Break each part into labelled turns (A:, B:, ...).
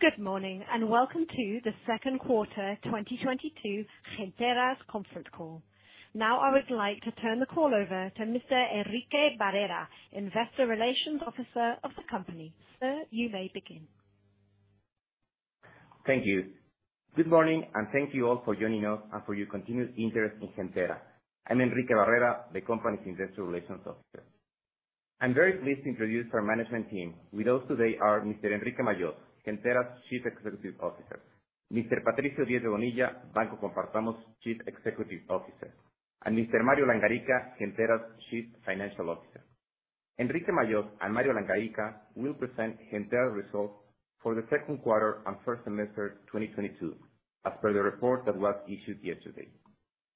A: Good morning, and welcome to the Q2 2022 Gentera's conference call. Now, I would like to turn the call over to Mr. Enrique Barrera, Investor Relations Officer of the company. Sir, you may begin.
B: Thank you. Good morning, and thank you all for joining us and for your continued interest in Gentera. I'm Enrique Barrera, the company's Investor Relations Officer. I'm very pleased to introduce our management team. With us today are Mr. Enrique Majós, Gentera's Chief Executive Officer, Mr. Patricio Diez de Bonilla, Banco Compartamos Chief Executive Officer, and Mr. Mario Langarica, Gentera's Chief Financial Officer. Enrique Majós and Mario Langarica will present Gentera results for the Q2 and first semester 2022 as per the report that was issued yesterday.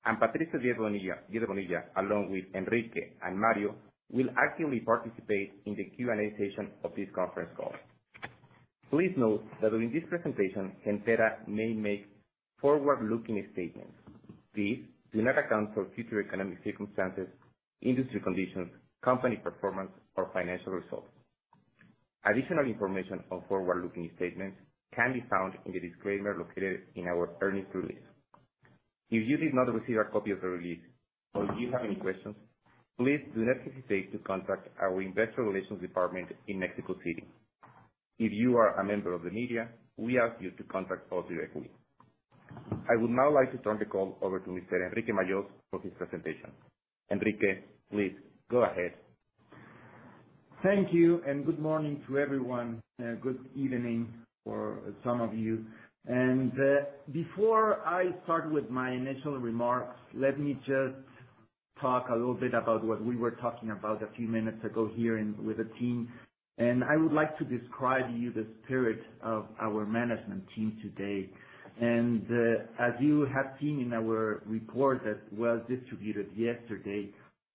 B: Patricio Diez de Bonilla, along with Enrique and Mario, will actively participate in the Q&A session of this conference call. Please note that during this presentation, Gentera may make forward-looking statements. These do not account for future economic circumstances, industry conditions, company performance, or financial results. Additional information on forward-looking statements can be found in the disclaimer located in our earnings release. If you did not receive a copy of the release or if you have any questions, please do not hesitate to contact our investor relations department in Mexico City. If you are a member of the media, we ask you to contact us directly. I would now like to turn the call over to Mr. Enrique Majós for his presentation. Enrique, please go ahead.
C: Thank you, and good morning to everyone, and good evening for some of you. Before I start with my initial remarks, let me just talk a little bit about what we were talking about a few minutes ago with the team. I would like to describe to you the spirit of our management team today. As you have seen in our report that was distributed yesterday,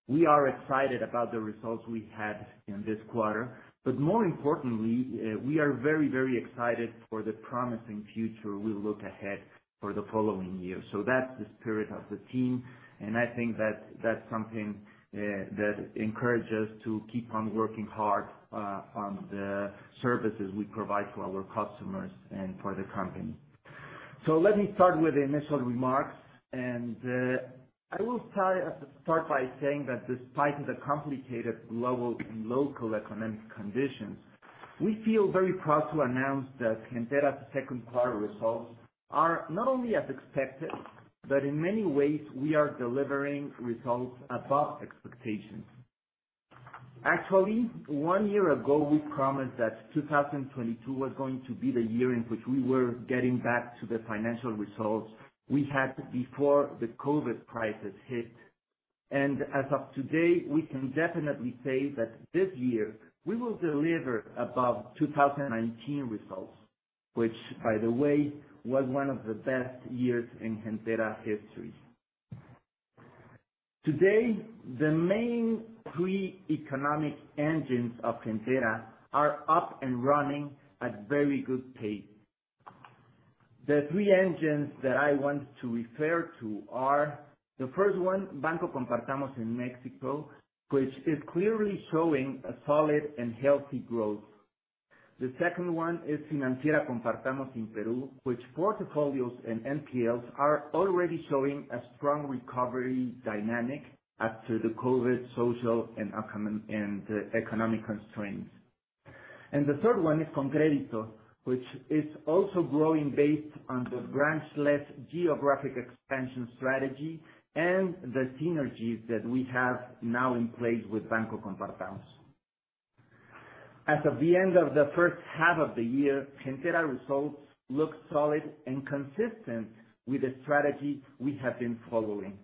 C: we are excited about the results we had in this quarter. More importantly, we are very, very excited for the promising future we look ahead for the following year. That's the spirit of the team, and I think that's something that encourages to keep on working hard on the services we provide to our customers and for the company. Let me start with the initial remarks, and I will start by saying that despite the complicated global and local economic conditions, we feel very proud to announce that Gentera's Q2 results are not only as expected, but in many ways, we are delivering results above expectations. Actually, one year ago, we promised that 2022 was going to be the year in which we were getting back to the financial results we had before the COVID crisis hit. As of today, we can definitely say that this year we will deliver above 2019 results, which, by the way, was one of the best years in Gentera history. Today, the main three economic engines of Gentera are up and running at very good pace. The three engines that I want to refer to are, the first one, Banco Compartamos in Mexico, which is clearly showing a solid and healthy growth. The second one is Compartamos Financiera in Peru, which portfolios and NPLs are already showing a strong recovery dynamic after the COVID social and economic constraints. The third one is ConCrédito, which is also growing based on the branch-less geographic expansion strategy and the synergies that we have now in place with Banco Compartamos. As of the end of the first half of the year, Gentera results look solid and consistent with the strategy we have been following.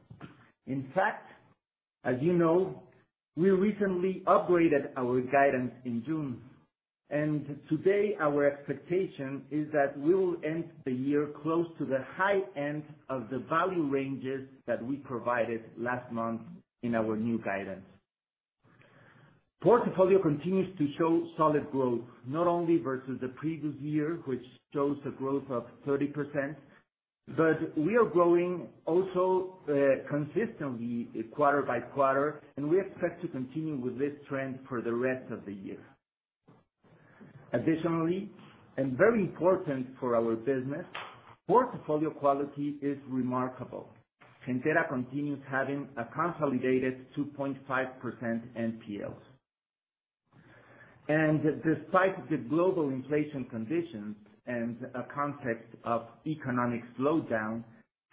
C: In fact, as you know, we recently upgraded our guidance in June, and today our expectation is that we will end the year close to the high end of the value ranges that we provided last month in our new guidance. Portfolio continues to show solid growth, not only versus the previous year, which shows a growth of 30%, but we are growing also, consistently quarter by quarter, and we expect to continue with this trend for the rest of the year. Additionally, and very important for our business, portfolio quality is remarkable. Gentera continues having a consolidated 2.5% NPL. Despite the global inflation conditions and a context of economic slowdown,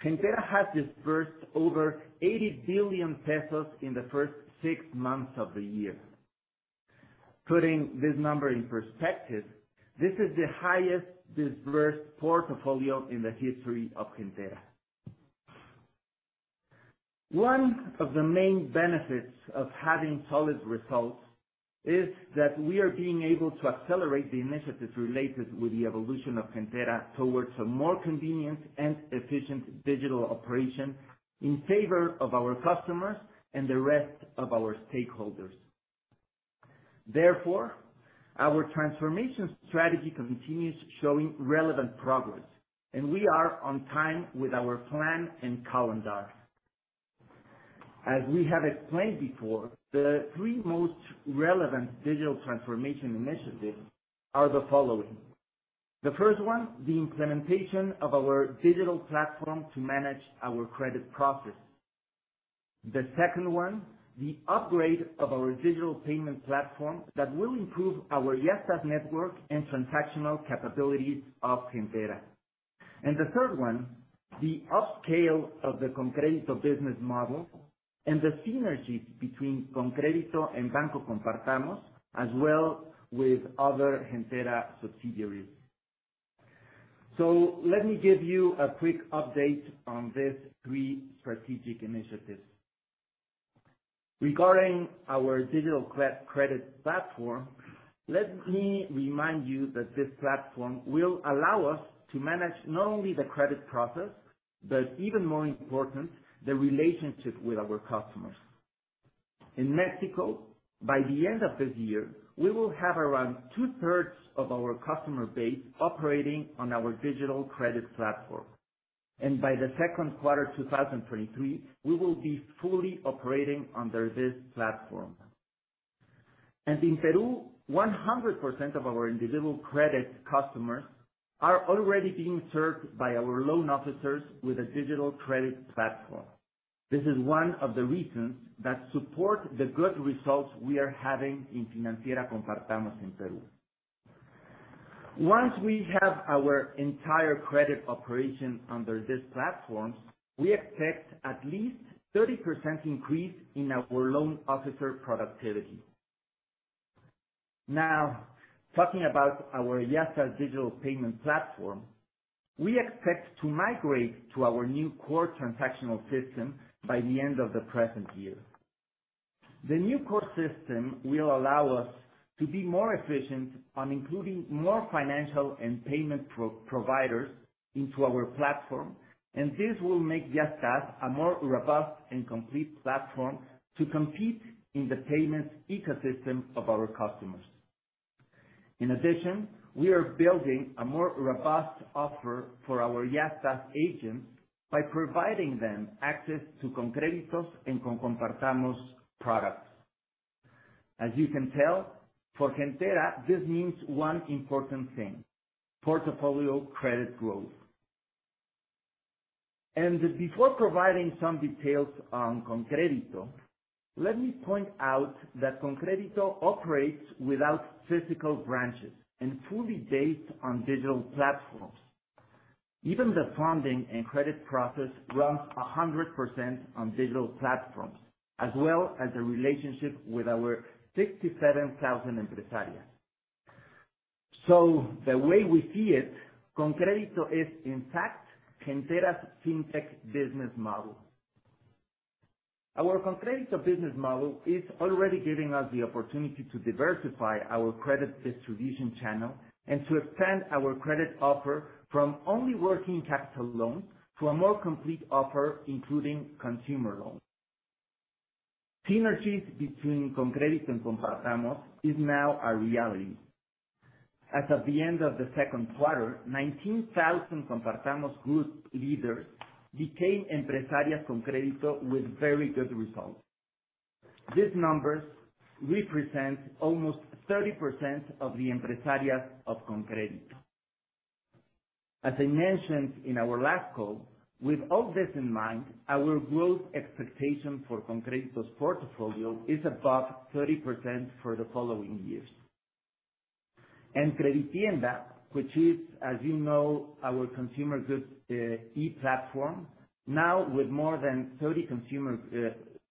C: Gentera has disbursed over 80 billion pesos in the first six months of the year. Putting this number in perspective, this is the highest disbursed portfolio in the history of Gentera. One of the main benefits of having solid results is that we are being able to accelerate the initiatives related with the evolution of Gentera towards a more convenient and efficient digital operation in favor of our customers and the rest of our stakeholders. Therefore, our transformation strategy continues showing relevant progress, and we are on time with our plan and calendar. As we have explained before, the three most relevant digital transformation initiatives are the following. The first one, the implementation of our digital platform to manage our credit process. The second one, the upgrade of our digital payment platform that will improve our Yastás network and transactional capabilities of Gentera. And the third one, the upscale of the ConCrédito business model and the synergies between ConCrédito and Banco Compartamos, as well with other Gentera subsidiaries. Let me give you a quick update on these three strategic initiatives. Regarding our digital credit platform, let me remind you that this platform will allow us to manage not only the credit process, but even more important, the relationship with our customers. In Mexico, by the end of this year, we will have around two-thirds of our customer base operating on our digital credit platform. By the Q2, 2023, we will be fully operating under this platform. In Peru, 100% of our individual credit customers are already being served by our loan officers with a digital credit platform. This is one of the reasons that support the good results we are having in Compartamos Financiera in Peru. Once we have our entire credit operation under these platforms, we expect at least 30% increase in our loan officer productivity. Now, talking about our Yastás digital payment platform, we expect to migrate to our new core transactional system by the end of the present year. The new core system will allow us to be more efficient on including more financial and payment providers into our platform, and this will make Yastás a more robust and complete platform to compete in the payments ecosystem of our customers. In addition, we are building a more robust offer for our Yastás agents by providing them access to ConCrédito and Compartamos products. As you can tell, for Gentera, this means one important thing, portfolio credit growth. Before providing some details on ConCrédito, let me point out that ConCrédito operates without physical branches and fully based on digital platforms. Even the funding and credit process runs 100% on digital platforms, as well as the relationship with our 67,000 empresarios. The way we see it, ConCrédito is in fact Gentera's fintech business model. Our ConCrédito business model is already giving us the opportunity to diversify our credit distribution channel and to expand our credit offer from only working capital loans to a more complete offer, including consumer loans. Synergies between ConCrédito and Compartamos is now a reality. As of the end of the Q2, 19,000 Compartamos group leaders became Empresarias ConCrédito with very good results. These numbers represent almost 30% of the Empresarias of ConCrédito. As I mentioned in our last call, with all this in mind, our growth expectation for ConCrédito's portfolio is above 30% for the following years. CrediTienda, which is, as you know, our consumer goods e-platform, now with more than 30,000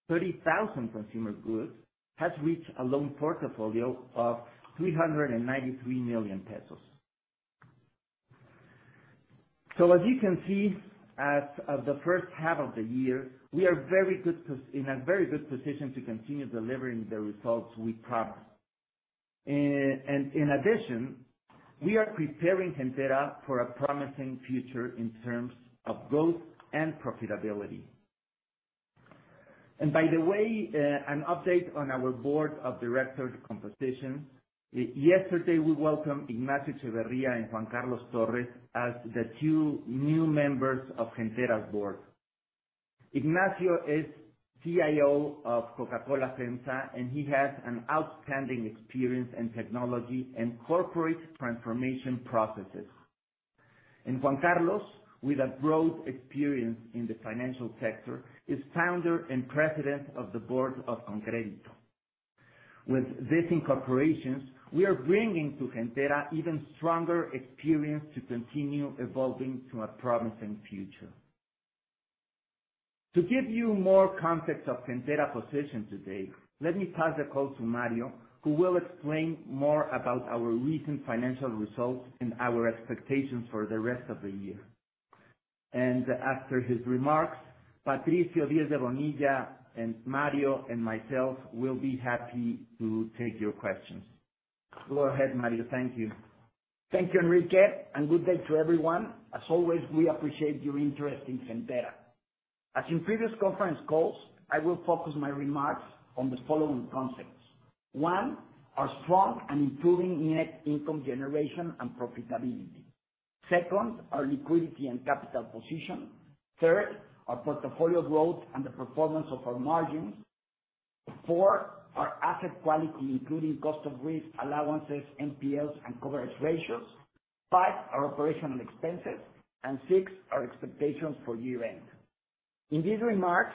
C: consumer goods, has reached a loan portfolio of 393 million pesos. As you can see, the first half of the year, we are in a very good position to continue delivering the results we promised. In addition, we are preparing Gentera for a promising future in terms of growth and profitability. By the way, an update on our board of directors composition. Yesterday, we welcomed Ignacio Echevarría Mendiguren and Juan Carlos Torres Cisneros as the two new members of Gentera's board. Ignacio is CIO of Coca-Cola FEMSA, and he has an outstanding experience in technology and corporate transformation processes. Juan Carlos, with a broad experience in the financial sector, is founder and president of the board of ConCrédito. With these incorporations, we are bringing to Gentera even stronger experience to continue evolving to a promising future. To give you more context of Gentera's position today, let me pass the call to Mario, who will explain more about our recent financial results and our expectations for the rest of the year. After his remarks, Patricio Diez de Bonilla and Mario and myself will be happy to take your questions. Go ahead, Mario. Thank you.
D: Thank you, Enrique, and good day to everyone. As always, we appreciate your interest in Gentera. As in previous conference calls, I will focus my remarks on the following concepts. One, our strong and improving net income generation and profitability. Second, our liquidity and capital position. Third, our portfolio growth and the performance of our margins. Four, our asset quality, including cost of risk allowances, NPLs, and coverage ratios. Five, our operational expenses. Six, our expectations for year-end. In these remarks,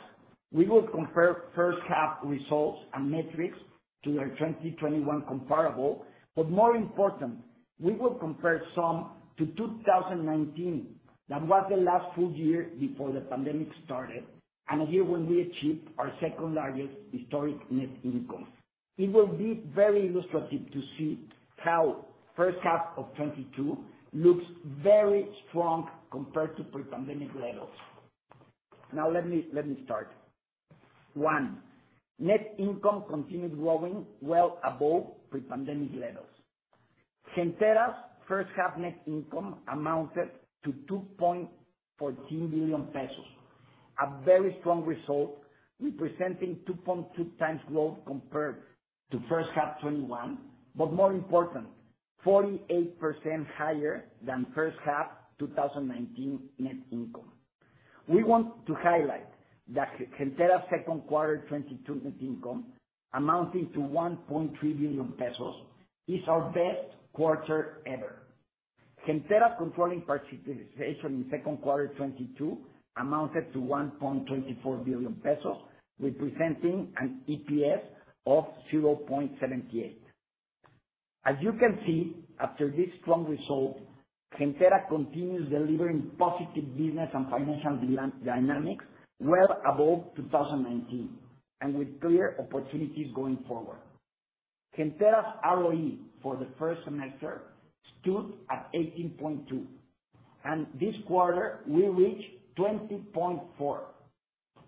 D: we will compare first half results and metrics to our 2021 comparable, but more important, we will compare some to 2019. That was the last full year before the pandemic started, and the year when we achieved our second largest historic net income. It will be very illustrative to see how first half of 2022 looks very strong compared to pre-pandemic levels. Now, let me start. Net income continued growing well above pre-pandemic levels. Gentera's first half net income amounted to 2.14 billion pesos, a very strong result representing 2.2 times growth compared to first half 2021. More important, 48% higher than first half 2019 net income. We want to highlight that Gentera Q2 2022 net income amounting to 1.3 billion pesos is our best quarter ever. Gentera controlling participation in Q2 2022 amounted to 1.24 billion pesos, representing an EPS of 0.78. As you can see, after this strong result, Gentera continues delivering positive business and financial dynamics well above 2019, and with clear opportunities going forward. Gentera's ROE for the first semester stood at 18.2, and this quarter we reached 20.4.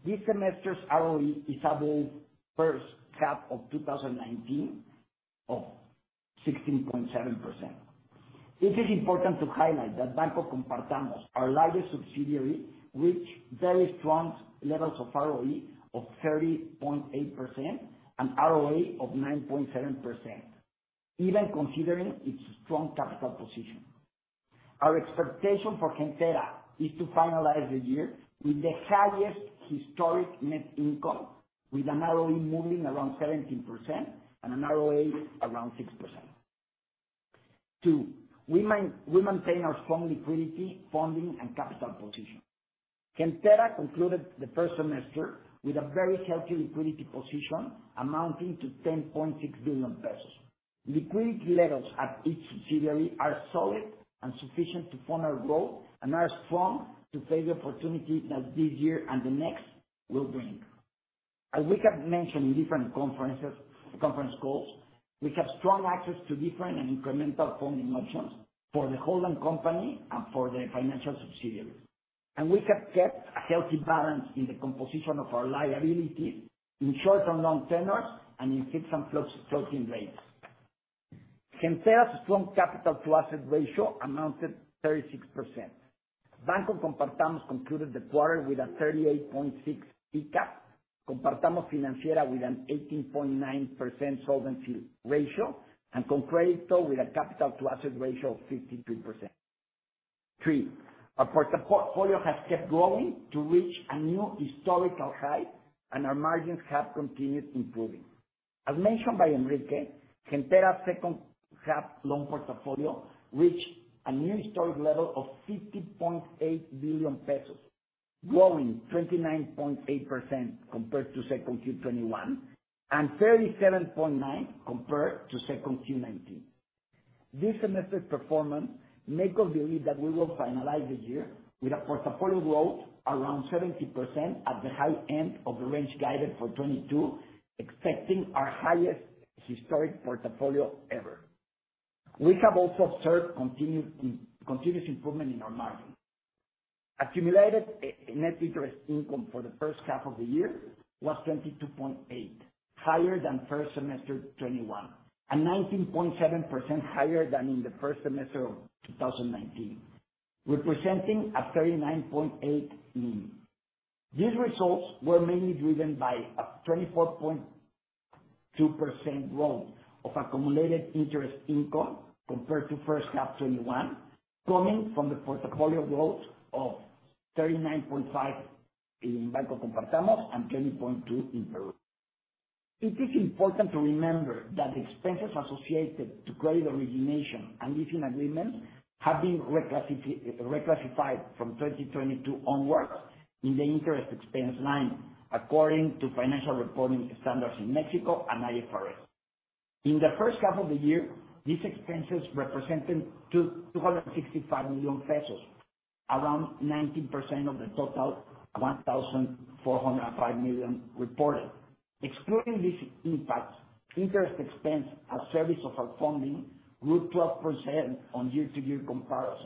D: This semester's ROE is above first half of 2019 of 16.7%. It is important to highlight that Banco Compartamos, our largest subsidiary, reached very strong levels of ROE of 30.8% and ROA of 9.7%, even considering its strong capital position. Our expectation for Gentera is to finalize the year with the highest historic net income, with an ROE moving around 17% and an ROA around 6%. Two, we maintain our strong liquidity, funding, and capital position. Gentera concluded the first semester with a very healthy liquidity position amounting to 10.6 billion pesos. Liquidity levels at each subsidiary are solid and sufficient to fund our growth and are strong to face the opportunities that this year and the next will bring. As we have mentioned in different conferences, conference calls, we have strong access to different and incremental funding options for the holding company and for the financial subsidiaries. We have kept a healthy balance in the composition of our liability in short and long tenors and in fixed and floating rates. Gentera's strong capital-to-asset ratio amounted 36%. Banco Compartamos concluded the quarter with a 38.6 ICAP. Compartamos Financiera with an 18.9% solvency ratio. ConCrédito with a capital-to-asset ratio of 53%. Third, our portfolio has kept growing to reach a new historical high and our margins have continued improving. As mentioned by Enrique, Gentera's second-half loan portfolio reached a new historic level of 50.8 billion pesos, growing 29.8% compared to 2Q21, and 37.9% compared to 2Q19. This semester's performance make us believe that we will finalize the year with a portfolio growth around 70% at the high end of the range guided for 2022, expecting our highest historic portfolio ever. We have also observed continuous improvement in our margin. Accumulated net interest income for the first half of the year was 22.8, higher than first semester 2021, and 19.7% higher than in the first semester of 2019, representing a 39.8 NIM. These results were mainly driven by a 24.2% growth of accumulated interest income compared to first half 2021, coming from the portfolio growth of 39.5% in Banco Compartamos and 20.2% in Peru. It is important to remember that the expenses associated to credit origination and leasing agreements have been reclassified from 2022 onwards in the interest expense line according to financial reporting standards in Mexico and IFRS. In the first half of the year, these expenses represented 265 million pesos, around 19% of the total 1,405 million reported. Excluding this impact, interest expense as service of our funding grew 12% year-over-year,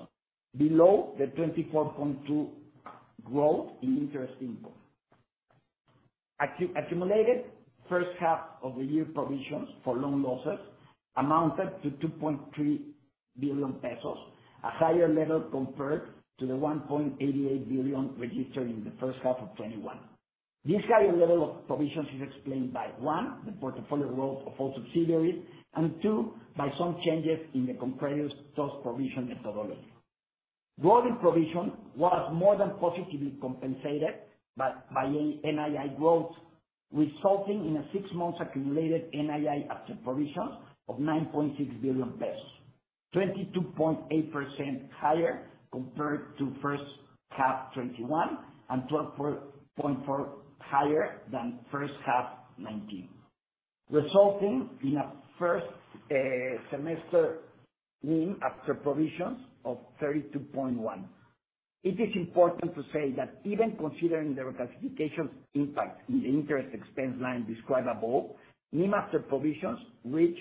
D: below the 24.2% growth in interest income. Accumulated first half of the year provisions for loan losses amounted to 2.3 billion pesos, a higher level compared to the 1.88 billion registered in the first half of 2021. This higher level of provisions is explained by one, the portfolio growth of all subsidiaries, and two, by some changes in the Compartamos's loss provision methodology. Growth in provision was more than positively compensated by NII growth, resulting in a six months accumulated NII after provisions of 9.6 billion pesos. 22.8% higher compared to first half 2021, and 12.4% higher than first half 2019, resulting in a first semester NIM after provisions of 32.1%. It is important to say that even considering the reclassification impact in the interest expense line described above, NIM after provisions reached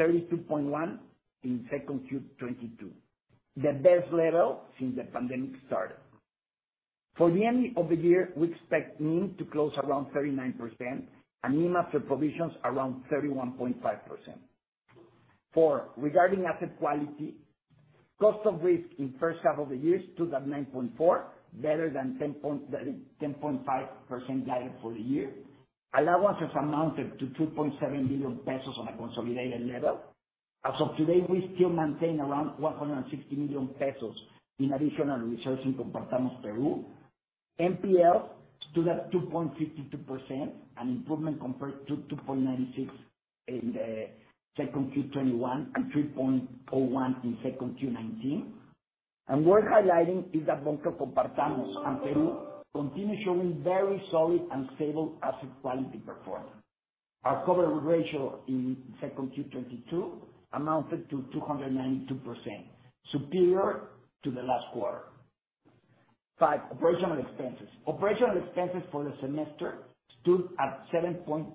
D: 32.1 in second Q 2022, the best level since the pandemic started. For the end of the year, we expect NIM to close around 39% and NIM after provisions around 31.5%. Four, regarding asset quality. Cost of risk in first half of the year stood at 9.4, better than 10.5% guided for the year. Allowance has amounted to 2.7 billion pesos on a consolidated level. As of today, we still maintain around 160 million pesos in additional reserves in Compartamos Peru. NPL stood at 2.52%, an improvement compared to 2.96 in the second Q 2021, and 3.01 in second Q 2019. Worth highlighting is that Banco Compartamos and Peru continue showing very solid and stable asset quality performance. Our coverage ratio in second Q 2022 amounted to 292%, superior to the last quarter. Five, Operational expenses. Operational expenses for the semester stood at 7.3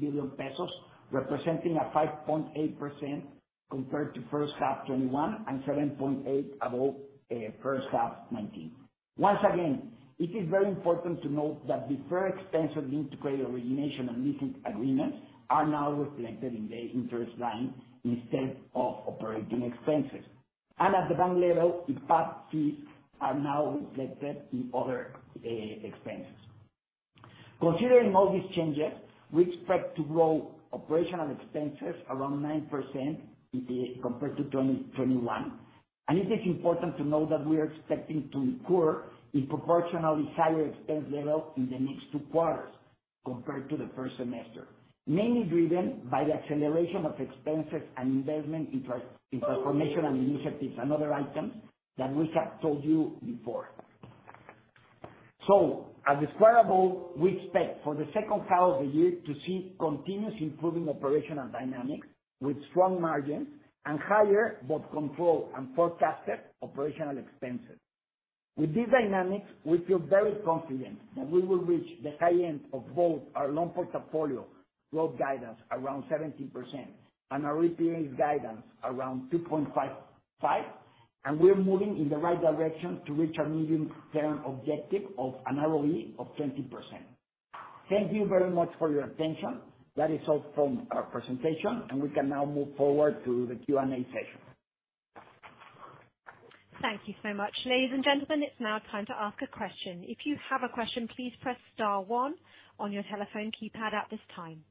D: billion pesos, representing a 5.8% compared to first half 2021, and 7.8% above first half 2019. Once again, it is very important to note that deferred expenses linked to credit origination and leasing agreements are now reflected in the interest line instead of operating expenses. At the bank level, ICAP fees are now reflected in other expenses. Considering all these changes, we expect to grow operational expenses around 9% compared to 2021. It is important to note that we are expecting to incur a proportionally higher expense level in the next two quarters compared to the first semester, mainly driven by the acceleration of expenses and investment in transformation and initiatives and other items that we have told you before. As described above, we expect for the second half of the year to see continuously improving operational dynamics with strong margins and higher, both controlled and forecasted operational expenses. With these dynamics, we feel very confident that we will reach the high end of both our loan portfolio growth guidance around 17% and our ROE guidance around 2.55, and we are moving in the right direction to reach our medium term objective of an ROE of 20%. Thank you very much for your attention. That is all from our presentation, and we can now move forward to the Q&A session.
A: Thank you so much. Ladies and gentlemen, it's now time to ask a question. If you have a question, please press star one on your telephone keypad at this time.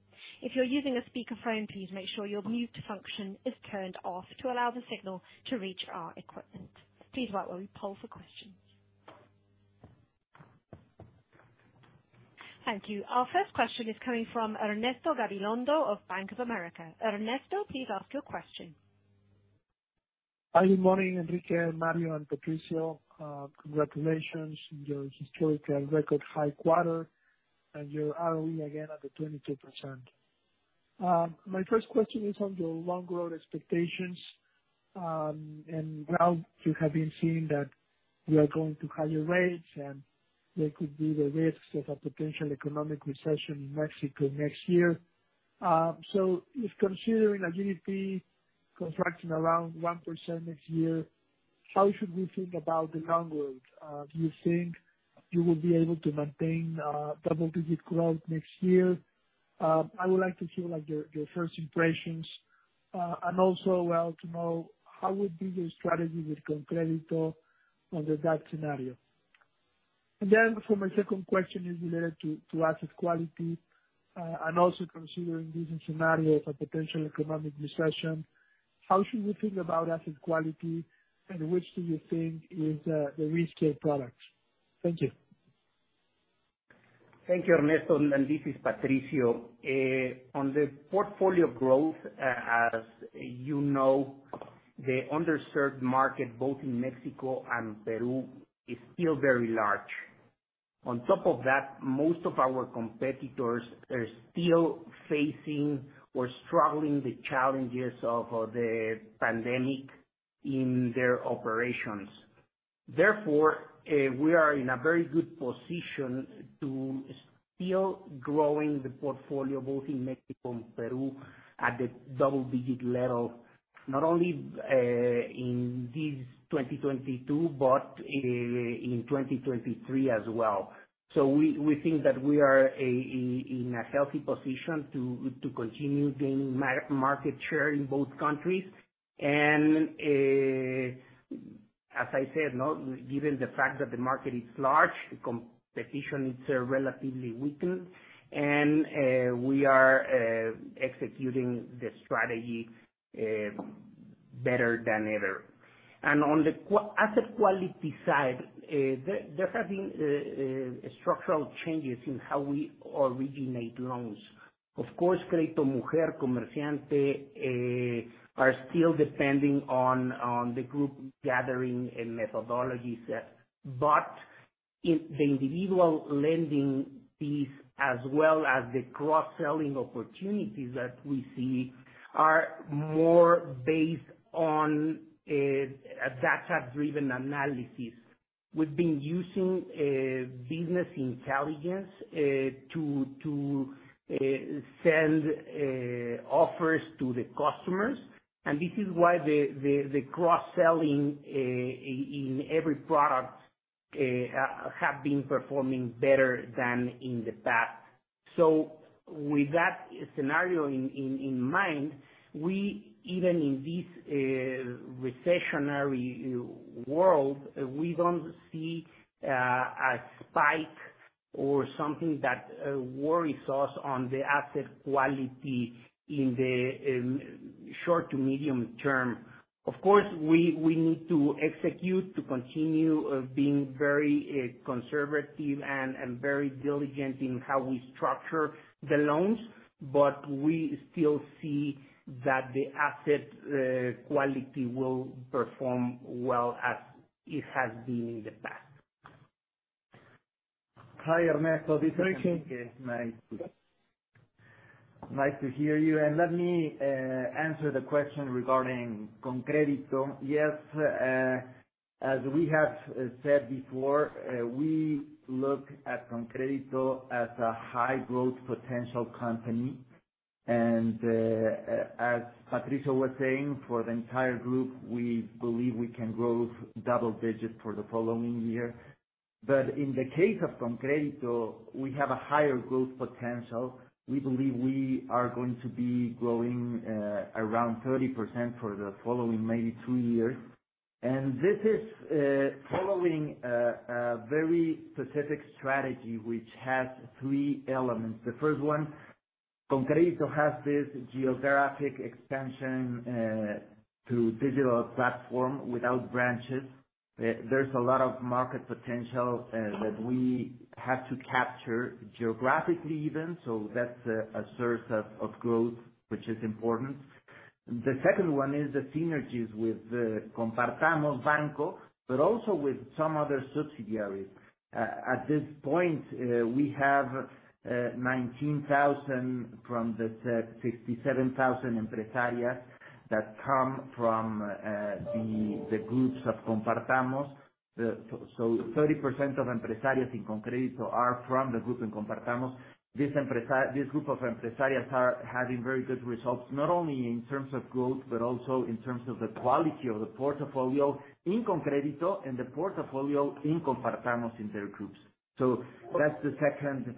A: If you're using a speakerphone, please make sure your mute function is turned off to allow the signal to reach our equipment. Please wait while we poll for questions. Thank you. Our first question is coming from Ernesto Gabilondo of Bank of America. Ernesto, please ask your question.
E: Good morning, Enrique, Mario, and Patricio. Congratulations on your historical record high quarter and your ROE again at the 22%. My first question is on your loan growth expectations. Now you have been seeing that we are going to higher rates, and there could be the risks of a potential economic recession in Mexico next year. If considering a GDP contracting around 1% next year, how should we think about the loan growth? Do you think you will be able to maintain double-digit growth next year? I would like to hear, like, your first impressions. Also, well, to know how would be your strategy with ConCrédito under that scenario. For my second question is related to asset quality. Considering this scenario of a potential economic recession, how should we think about asset quality, and which do you think is the riskier product? Thank you.
F: Thank you, Ernesto, and this is Patricio. On the portfolio growth, as you know, the underserved market, both in Mexico and Peru, is still very large. On top of that, most of our competitors are still facing or struggling with the challenges of the pandemic in their operations. Therefore, we are in a very good position to still growing the portfolio, both in Mexico and Peru, at the double digit level, not only in this 2022, but in 2023 as well. We think that we are in a healthy position to continue gaining market share in both countries and As I said, no, given the fact that the market is large, competition is relatively weakened and we are executing the strategy better than ever. On the asset quality side, there have been structural changes in how we originate loans. Of course, Crédito Mujer, Comerciante are still depending on the group gathering and methodologies. In the individual lending piece, as well as the cross-selling opportunities that we see, are more based on a data-driven analysis. We've been using business intelligence to send offers to the customers, and this is why the cross-selling in every product have been performing better than in the past. With that scenario in mind, even in this recessionary world, we don't see a spike or something that worries us on the asset quality in the short to medium term. Of course, we need to execute to continue being very conservative and very diligent in how we structure the loans. We still see that the asset quality will perform well as it has been in the past.
C: Hi, Ernesto, this is Enrique. Nice to hear you, and let me answer the question regarding ConCrédito. Yes, as we have said before, we look at ConCrédito as a high growth potential company. As Patricio was saying, for the entire group, we believe we can grow double digits for the following year. In the case of ConCrédito, we have a higher growth potential. We believe we are going to be growing around 30% for the following maybe two years. This is following a very specific strategy which has three elements. The first one, ConCrédito has this geographic expansion to digital platform without branches. There's a lot of market potential that we have to capture geographically even. That's a source of growth, which is important. The second one is the synergies with the Compartamos Banco, but also with some other subsidiaries. At this point, we have 19,000 from the 67,000 empresarias that come from the groups of Compartamos. 30% of empresarias in ConCrédito are from the group in Compartamos. This group of empresarias are having very good results, not only in terms of growth, but also in terms of the quality of the portfolio in ConCrédito and the portfolio in Compartamos in their groups. That's the second,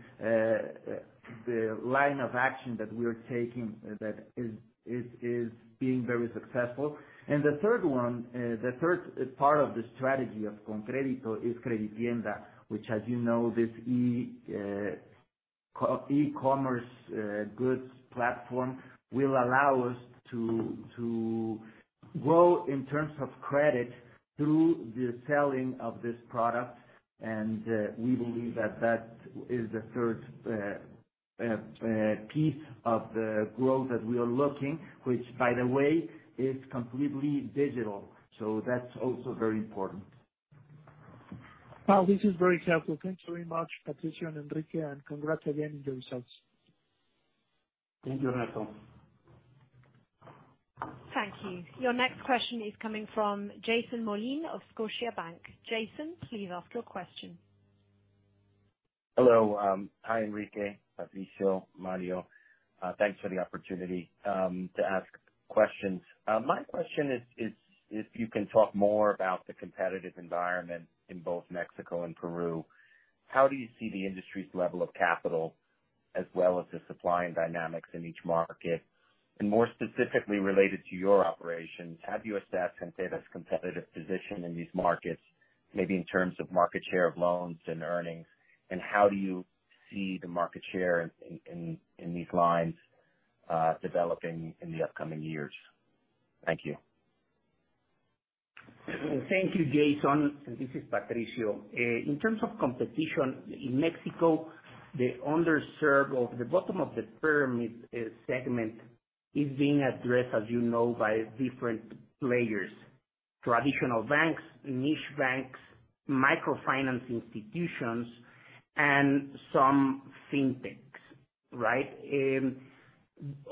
C: the line of action that we are taking that is being very successful. The third one, the third part of the strategy of ConCrédito is CrediTienda, which, as you know, this e-commerce goods platform will allow us to grow in terms of credit through the selling of this product. We believe that that is the third piece of the growth that we are looking, which, by the way, is completely digital. That's also very important.
E: Well, this is very helpful. Thanks very much, Patricio and Enrique, and congrats again on the results.
C: Thank you, Ernesto.
A: Thank you. Your next question is coming from Jason Mollin of Scotiabank. Jason, please ask your question.
G: Hello. Hi, Enrique, Patricio, Mario. Thanks for the opportunity to ask questions. My question is if you can talk more about the competitive environment in both Mexico and Peru. How do you see the industry's level of capital, as well as the supply and dynamics in each market? More specifically related to your operations, have you assessed and sized up your competitive position in these markets, maybe in terms of market share of loans and earnings, and how do you see the market share in these lines developing in the upcoming years? Thank you.
F: Thank you, Jason. This is Patricio. In terms of competition in Mexico, the underserved or the bottom of the pyramid segment is being addressed, as you know, by different players, traditional banks, niche banks, microfinance institutions, and some fintechs, right?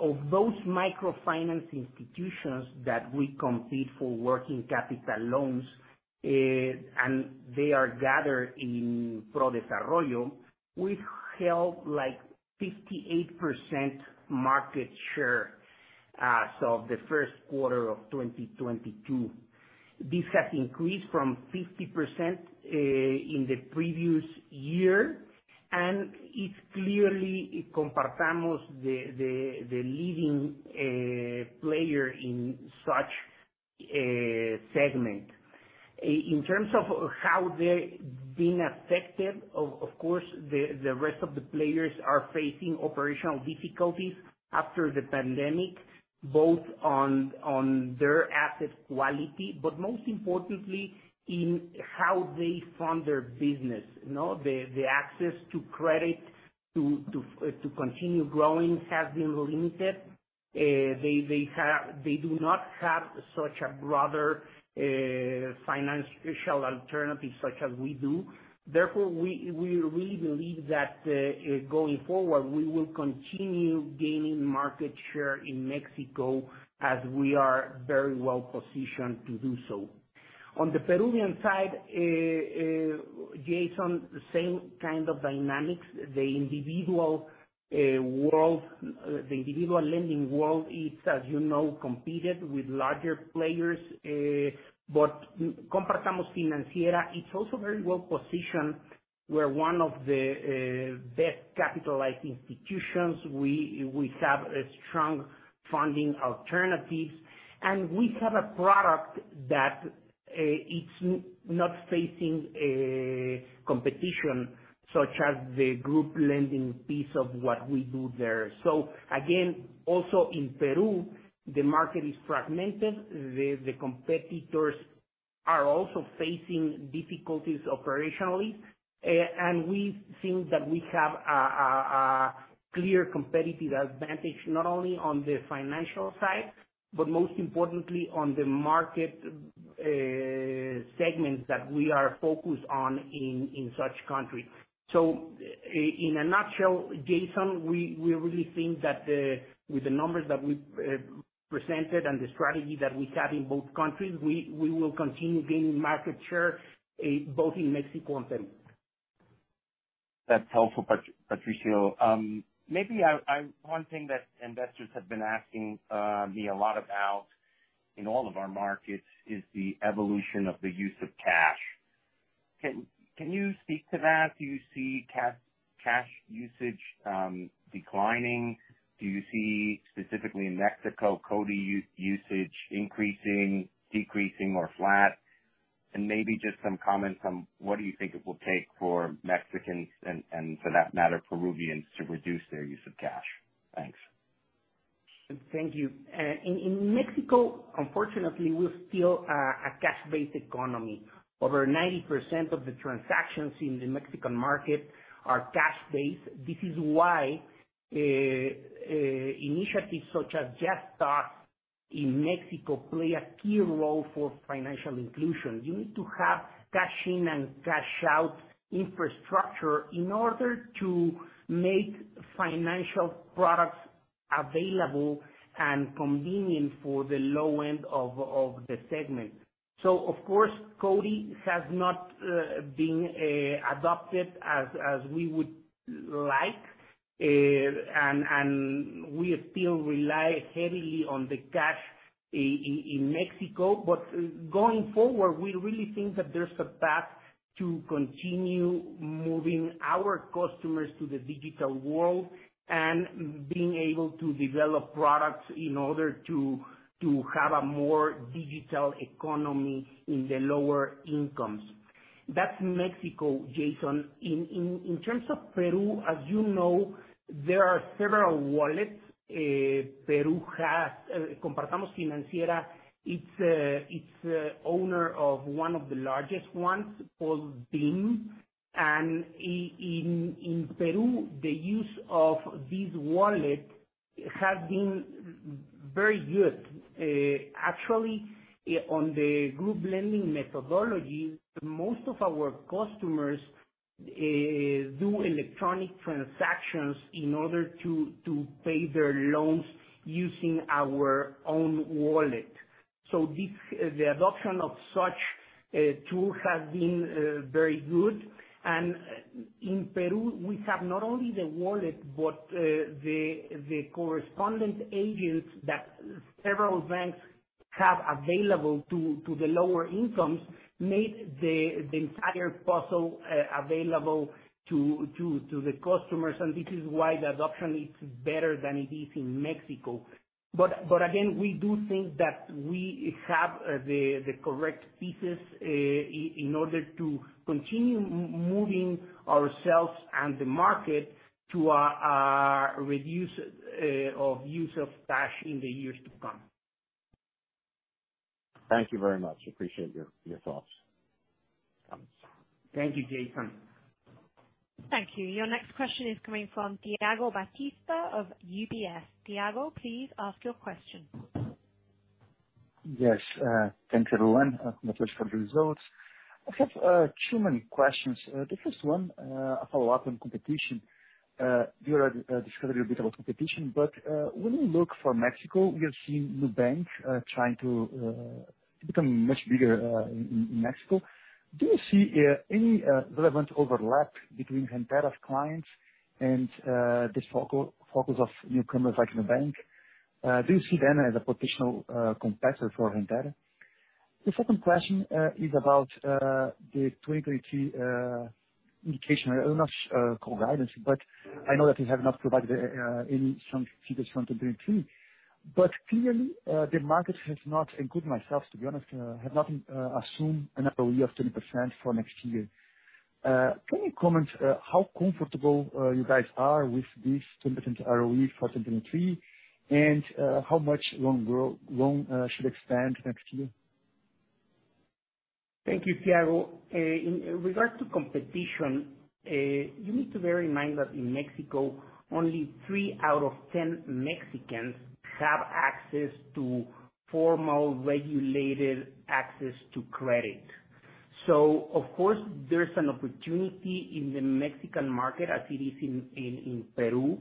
F: Of those microfinance institutions that we compete for working capital loans, and they are gathered in ProDesarrollo, we've held like 58% market share, so of the Q1 of 2022. This has increased from 50% in the previous year. It's clearly Compartamos the leading player in such a segment. In terms of how they're being affected, of course, the rest of the players are facing operational difficulties after the pandemic, both on their asset quality, but most importantly in how they fund their business, you know? The access to credit to continue growing has been limited. They do not have such a broader financial alternative such as we do. Therefore, we really believe that going forward, we will continue gaining market share in Mexico as we are very well positioned to do so. On the Peruvian side, Jason, the same kind of dynamics. The individual lending world is, as you know, competitive with larger players. But Compartamos Financiera is also very well positioned. We're one of the best capitalized institutions. We have a strong funding alternatives. We have a product that it's not facing competition such as the group lending piece of what we do there. Again, also in Peru, the market is fragmented. The competitors are also facing difficulties operationally. We think that we have a clear competitive advantage, not only on the financial side, but most importantly on the market segments that we are focused on in such countries. In a nutshell, Jason, we really think that with the numbers that we've presented and the strategy that we have in both countries, we will continue gaining market share, both in Mexico and Peru.
G: That's helpful, Patricio. Maybe one thing that investors have been asking me a lot about in all of our markets is the evolution of the use of cash. Can you speak to that? Do you see cash usage declining? Do you see specifically in Mexico, CoDi usage increasing, decreasing or flat? Maybe just some comments on what do you think it will take for Mexicans and for that matter, Peruvians, to reduce their use of cash? Thanks.
F: Thank you. In Mexico, unfortunately, we're still a cash-based economy. Over 90% of the transactions in the Mexican market are cash based. This is why initiatives such as Yastás in Mexico play a key role for financial inclusion. You need to have cash in and cash out infrastructure in order to make financial products available and convenient for the low end of the segment. Of course, CoDi has not been adopted as we would like. We still rely heavily on the cash-in in Mexico. Going forward, we really think that there's a path to continue moving our customers to the digital world and being able to develop products in order to have a more digital economy in the lower incomes. That's Mexico, Jason. In terms of Peru, as you know, there are several wallets. Peru has Compartamos Financiera, it's an owner of one of the largest ones called BIM. In Peru, the use of this wallet has been very good. Actually, on the group lending methodology, most of our customers do electronic transactions in order to pay their loans using our own wallet. So the adoption of such a tool has been very good. In Peru, we have not only the wallet, but the correspondent agents that several banks have available to the lower incomes made the entire process available to the customers. This is why the adoption is better than it is in Mexico. Again, we do think that we have the correct pieces in order to continue moving ourselves and the market to reduce the use of cash in the years to come.
G: Thank you very much. Appreciate your thoughts.
F: Thank you, Jason.
A: Thank you. Your next question is coming from Thiago Batista of UBS. Thiago, please ask your question.
H: Yes. Thank you, everyone. Congratulations for the results. I have two main questions. The first one, a follow-up on competition. You already discussed a little bit about competition, but when we look for Mexico, we have seen Nubank trying to become much bigger in Mexico. Do you see any relevant overlap between Gentera's clients and this focus of newcomers like Nubank? Do you see them as a potential competitor for Gentera? The second question is about the 2023 indication earnings co-guidance. I know that you have not provided any some figures from 2023. Clearly, the market has not, including myself, to be honest, have not assumed an ROE of 20% for next year. Can you comment how comfortable you guys are with this 10% ROE for 2023, and how much loan should expand next year?
D: Thank you, Thiago. In regard to competition, you need to bear in mind that in Mexico, only three out of 10 Mexicans have access to formal regulated access to credit. Of course, there's an opportunity in the Mexican market as it is in Peru,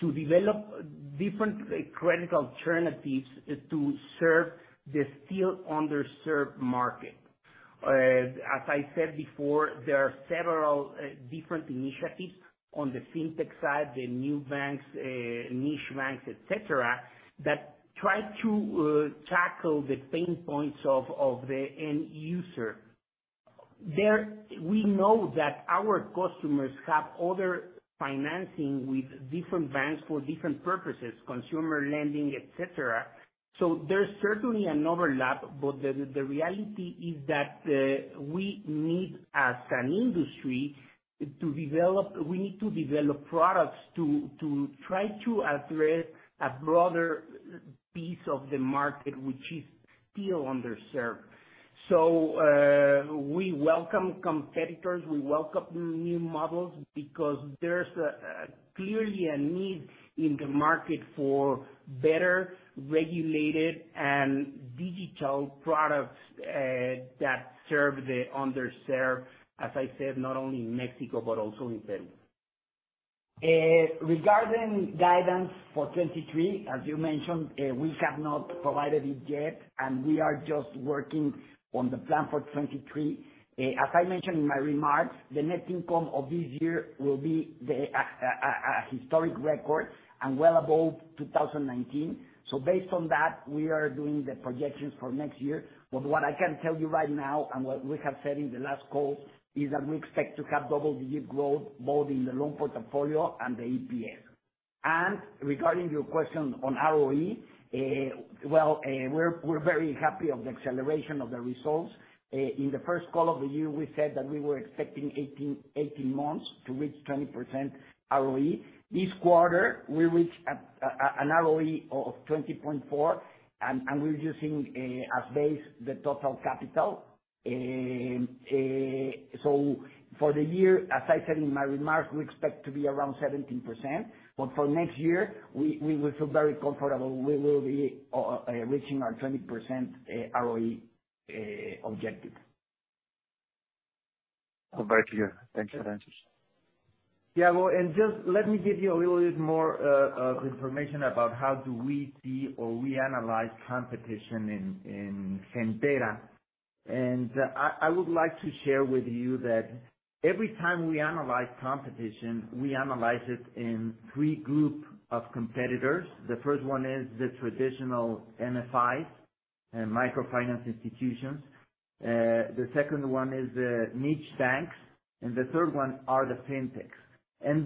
D: to develop different credit alternatives to serve the still underserved market. As I said before, there are several different initiatives on the fintech side, the new banks, niche banks, et cetera, that try to tackle the pain points of the end user. We know that our customers have other financing with different banks for different purposes, consumer lending, et cetera. There's certainly an overlap, but the reality is that we need, as an industry, to develop products to try to address a broader piece of the market which is still underserved. We welcome competitors, we welcome new models because there's clearly a need in the market for better regulated and digital products that serve the underserved, as I said, not only in Mexico but also in Peru. Regarding guidance for 2023, as you mentioned, we have not provided it yet, and we are just working on the plan for 2023. As I mentioned in my remarks, the net income of this year will be a historic record and well above 2019. Based on that, we are doing the projections for next year. What I can tell you right now and what we have said in the last call is that we expect to have double-digit growth both in the loan portfolio and the EPS. Regarding your question on ROE, we're very happy of the acceleration of the results. In the first call of the year, we said that we were expecting 18 months to reach 20% ROE. This quarter, we reached an ROE of 20.4, and we're using as base the total capital. For the year, as I said in my remarks, we expect to be around 17%. For next year, we will feel very comfortable we will be reaching our 20% ROE objective.
H: Very clear. Thanks for the answers.
C: Thiago, just let me give you a little bit more information about how we see or we analyze competition in Gentera. I would like to share with you that every time we analyze competition, we analyze it in three group of competitors. The first one is the traditional MFIs, microfinance institutions. The second one is the niche banks, and the third one are the fintechs.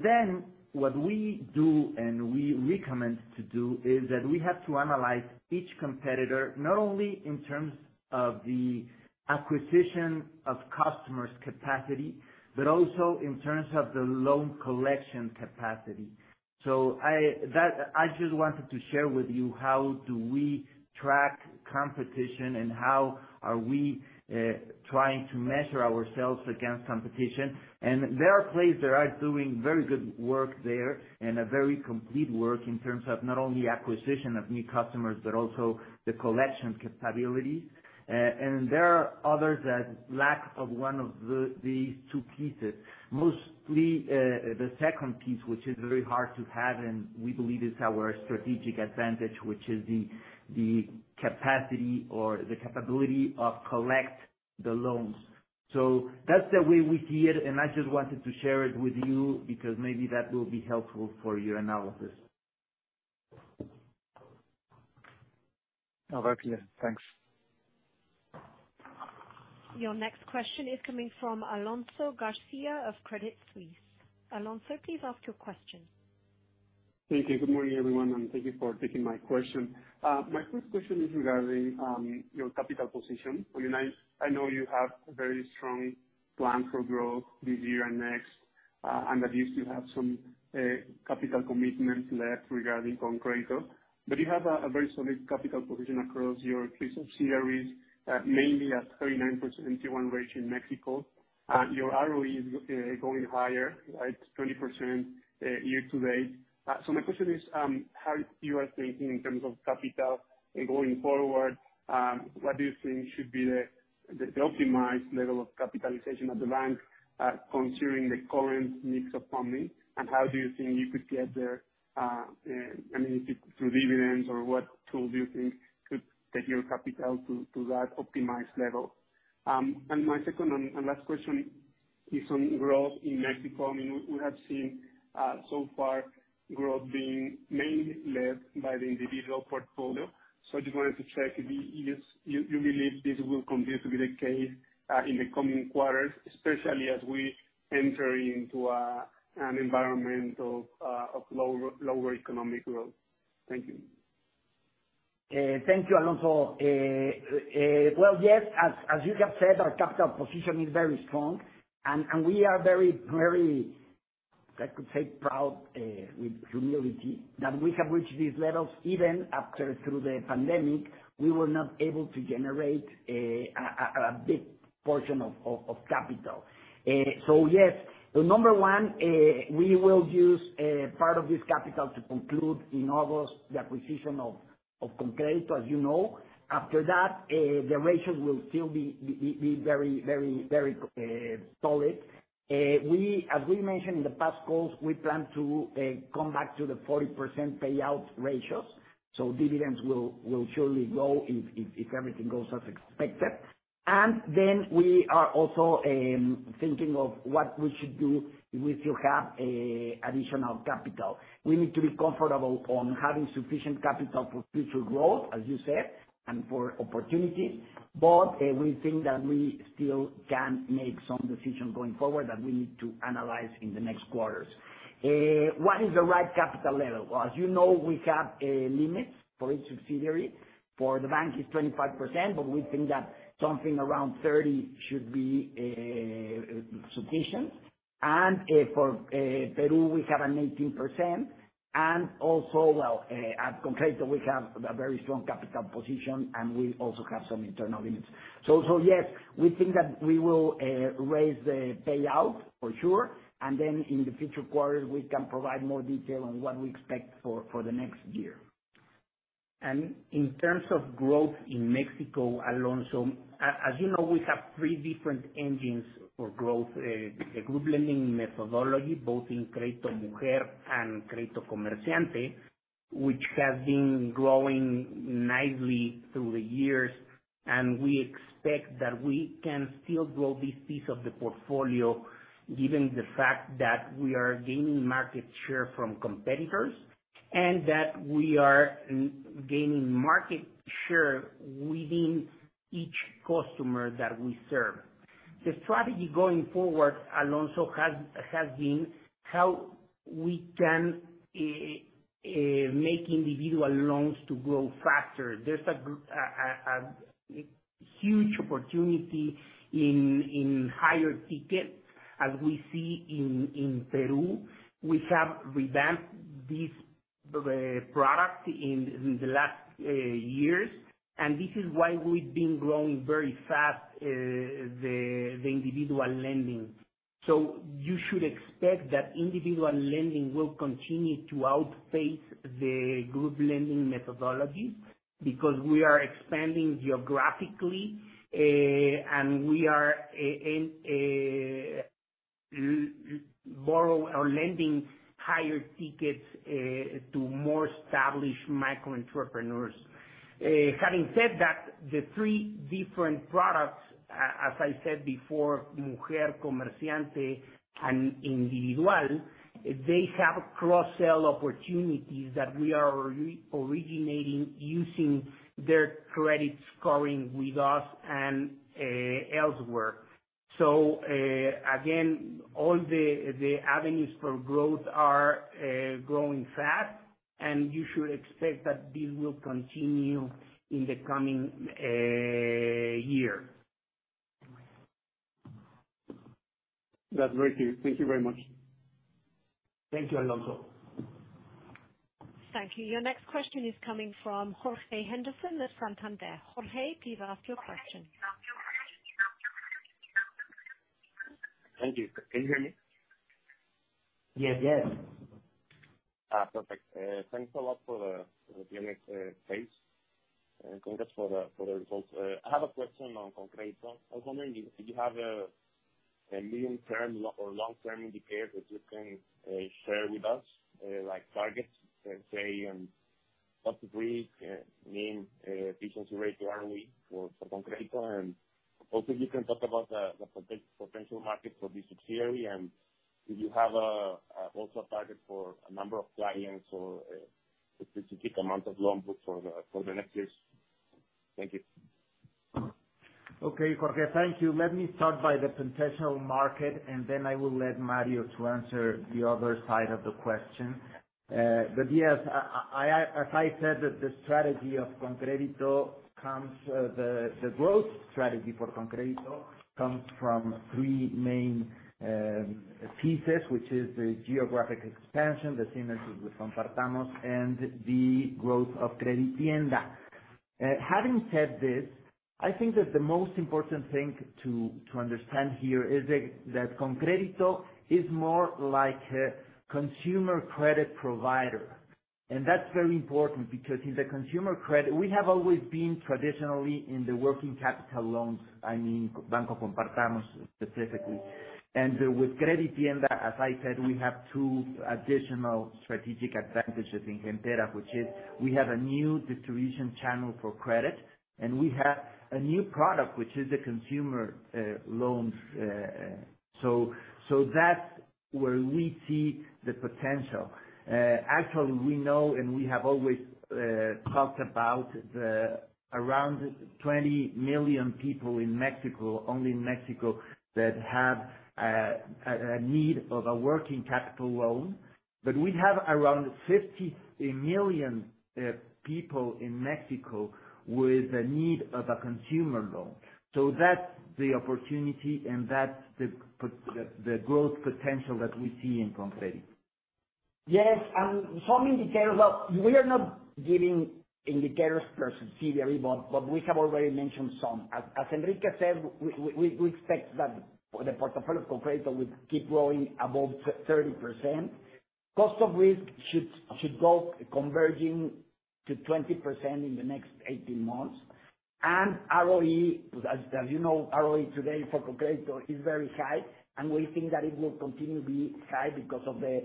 C: Then what we do, and we recommend to do, is that we have to analyze each competitor, not only in terms of the acquisition of customers capacity, but also in terms of the loan collection capacity. I just wanted to share with you how we track competition and how we are trying to measure ourselves against competition. There are players that are doing very good work there, and a very complete work in terms of not only acquisition of new customers, but also the collection capabilities. There are others that lack of one of these two pieces. Mostly, the second piece, which is very hard to have and we believe is our strategic advantage, which is the capacity or the capability of collect the loans. That's the way we see it, and I just wanted to share it with you because maybe that will be helpful for your analysis.
H: All right, clear. Thanks.
A: Your next question is coming from Alonso Garcia of Credit Suisse. Alonso, please ask your question.
I: Thank you. Good morning, everyone, and thank you for taking my question. My first question is regarding your capital position. You know, I know you have a very strong plan for growth this year and next, and that you still have some capital commitments left regarding ConCrédito. You have a very solid capital position across your three subsidiaries, mainly at 39% Tier One ratio in Mexico. Your ROE is going higher, right, 20% year to date. My question is, how you are thinking in terms of capital going forward, what do you think should be the optimized level of capitalization of the bank, considering the current mix of funding? How do you think you could get there, I mean, through dividends or what tool do you think could take your capital to that optimized level? Some growth in Mexico. I mean, we have seen so far growth being mainly led by the individual portfolio. I just wanted to check if you believe this will continue to be the case in the coming quarters, especially as we enter into an environment of lower economic growth. Thank you.
C: Thank you, Alonso. Well, yes, as you have said, our capital position is very strong and we are very, I could say, proud with humility that we have reached these levels even after through the pandemic, we were not able to generate a big portion of capital. Yes. Number one, we will use part of this capital to conclude in August the acquisition of ConCrédito, as you know. After that, the ratios will still be very solid. We, as we mentioned in the past calls, we plan to come back to the 40% payout ratios, so dividends will surely grow if everything goes as expected. We are also thinking of what we should do if we still have additional capital. We need to be comfortable on having sufficient capital for future growth, as you said, and for opportunities, but we think that we still can make some decisions going forward that we need to analyze in the next quarters. What is the right capital level? Well, as you know, we have limits for each subsidiary. For the bank, it's 25%, but we think that something around 30% should be sufficient. For Peru, we have an 18%. Also, well, at ConCrédito, we have a very strong capital position and we also have some internal limits. So yes, we think that we will raise the payout for sure. In the future quarters, we can provide more detail on what we expect for the next year. In terms of growth in Mexico, Alonso, as you know, we have three different engines for growth. The group lending methodology, both in Crédito Mujer and Crédito Comerciante, which has been growing nicely through the years, and we expect that we can still grow this piece of the portfolio given the fact that we are gaining market share from competitors, and that we are gaining market share within each customer that we serve. The strategy going forward, Alonso, has been how we can make individual loans to grow faster. There's a huge opportunity in higher tickets as we see in Peru. We have revamped this product in the last years, and this is why we've been growing very fast, the individual lending. You should expect that individual lending will continue to outpace the group lending methodology because we are expanding geographically, and we are lending higher tickets to more established micro entrepreneurs. Having said that, the three different products, as I said before, Mujer, Comerciante and Individual, they have cross-sell opportunities that we are re-originating using their credit scoring with us and elsewhere. Again, all the avenues for growth are growing fast, and you should expect that this will continue in the coming year.
I: That's great. Thank you very much.
C: Thank you, Alonso.
A: Thank you. Your next question is coming from Jorge Henderson at Santander. Jorge, please ask your question.
J: Thank you. Can you hear me?
D: Yes.
C: Yes.
J: Perfect. Thanks a lot for the earnings call. Congrats for the results. I have a question on ConCrédito. I was wondering if you have a medium-term or long-term indicator that you can share with us, like targets, let's say, what agreed mean efficiency rate annually for ConCrédito. Also you can talk about the potential market for this subsidiary. Do you have also a target for a number of clients or a specific amount of loan book for the next years? Thank you.
C: Okay, Jorge. Thank you. Let me start by the potential market, and then I will let Mario to answer the other side of the question. But yes, I as I said the growth strategy for ConCrédito comes from three main pieces, which is the geographic expansion, the synergies with Compartamos, and the growth of CrediTienda. Having said this, I think that the most important thing to understand here is that ConCrédito is more like a consumer credit provider. And that's very important because in the consumer credit, we have always been traditionally in the working capital loans, I mean, Banco Compartamos specifically. With CrediTienda, as I said, we have two additional strategic advantages in Gentera, which is we have a new distribution channel for credit, and we have A new product, which is the consumer loans. That's where we see the potential. Actually, we know and we have always talked about the around 20 million people in Mexico, only in Mexico, that have a need of a working capital loan. But we have around 50 million people in Mexico with the need of a consumer loan. That's the opportunity and that's the growth potential that we see in ConCrédito.
D: Yes, some indicators. Well, we are not giving indicators per subsidiary, but we have already mentioned some. As Enrique said, we expect that the portfolio of ConCrédito will keep growing above 30%. Cost of risk should go converging to 20% in the next 18 months. ROE, as you know, ROE today for ConCrédito is very high, and we think that it will continue to be high because of the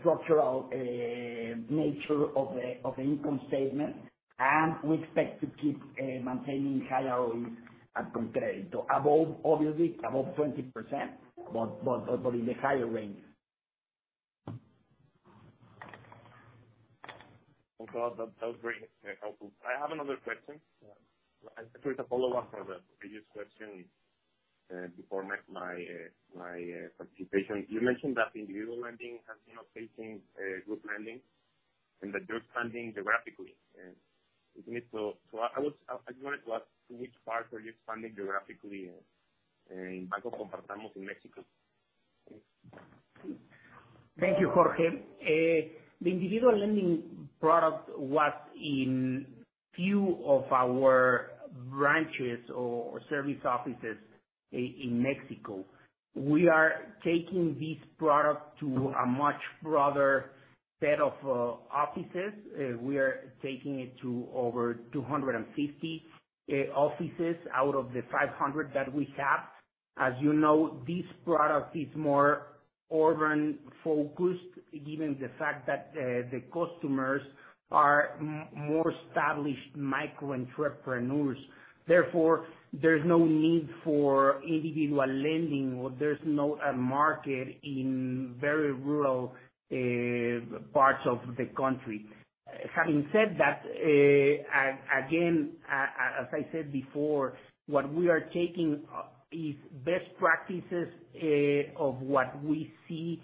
D: structural nature of the income statement. We expect to keep maintaining high ROE at ConCrédito above, obviously above 20%, but in the higher range.
J: That was very helpful. I have another question. It's a follow-up from the previous question before my participation. You mentioned that individual lending has been outpacing group lending and that you're expanding geographically. I wanted to ask, in which parts are you expanding geographically in Banco Compartamos in Mexico?
D: Thank you, Jorge. The individual lending product was in a few of our branches or service offices in Mexico. We are taking this product to a much broader set of offices. We are taking it to over 250 offices out of the 500 that we have. As you know, this product is more urban-focused, given the fact that the customers are more established micro entrepreneurs. Therefore, there's no need for individual lending, or there's no market in very rural parts of the country. Having said that, again, as I said before, what we are taking is best practices of what we see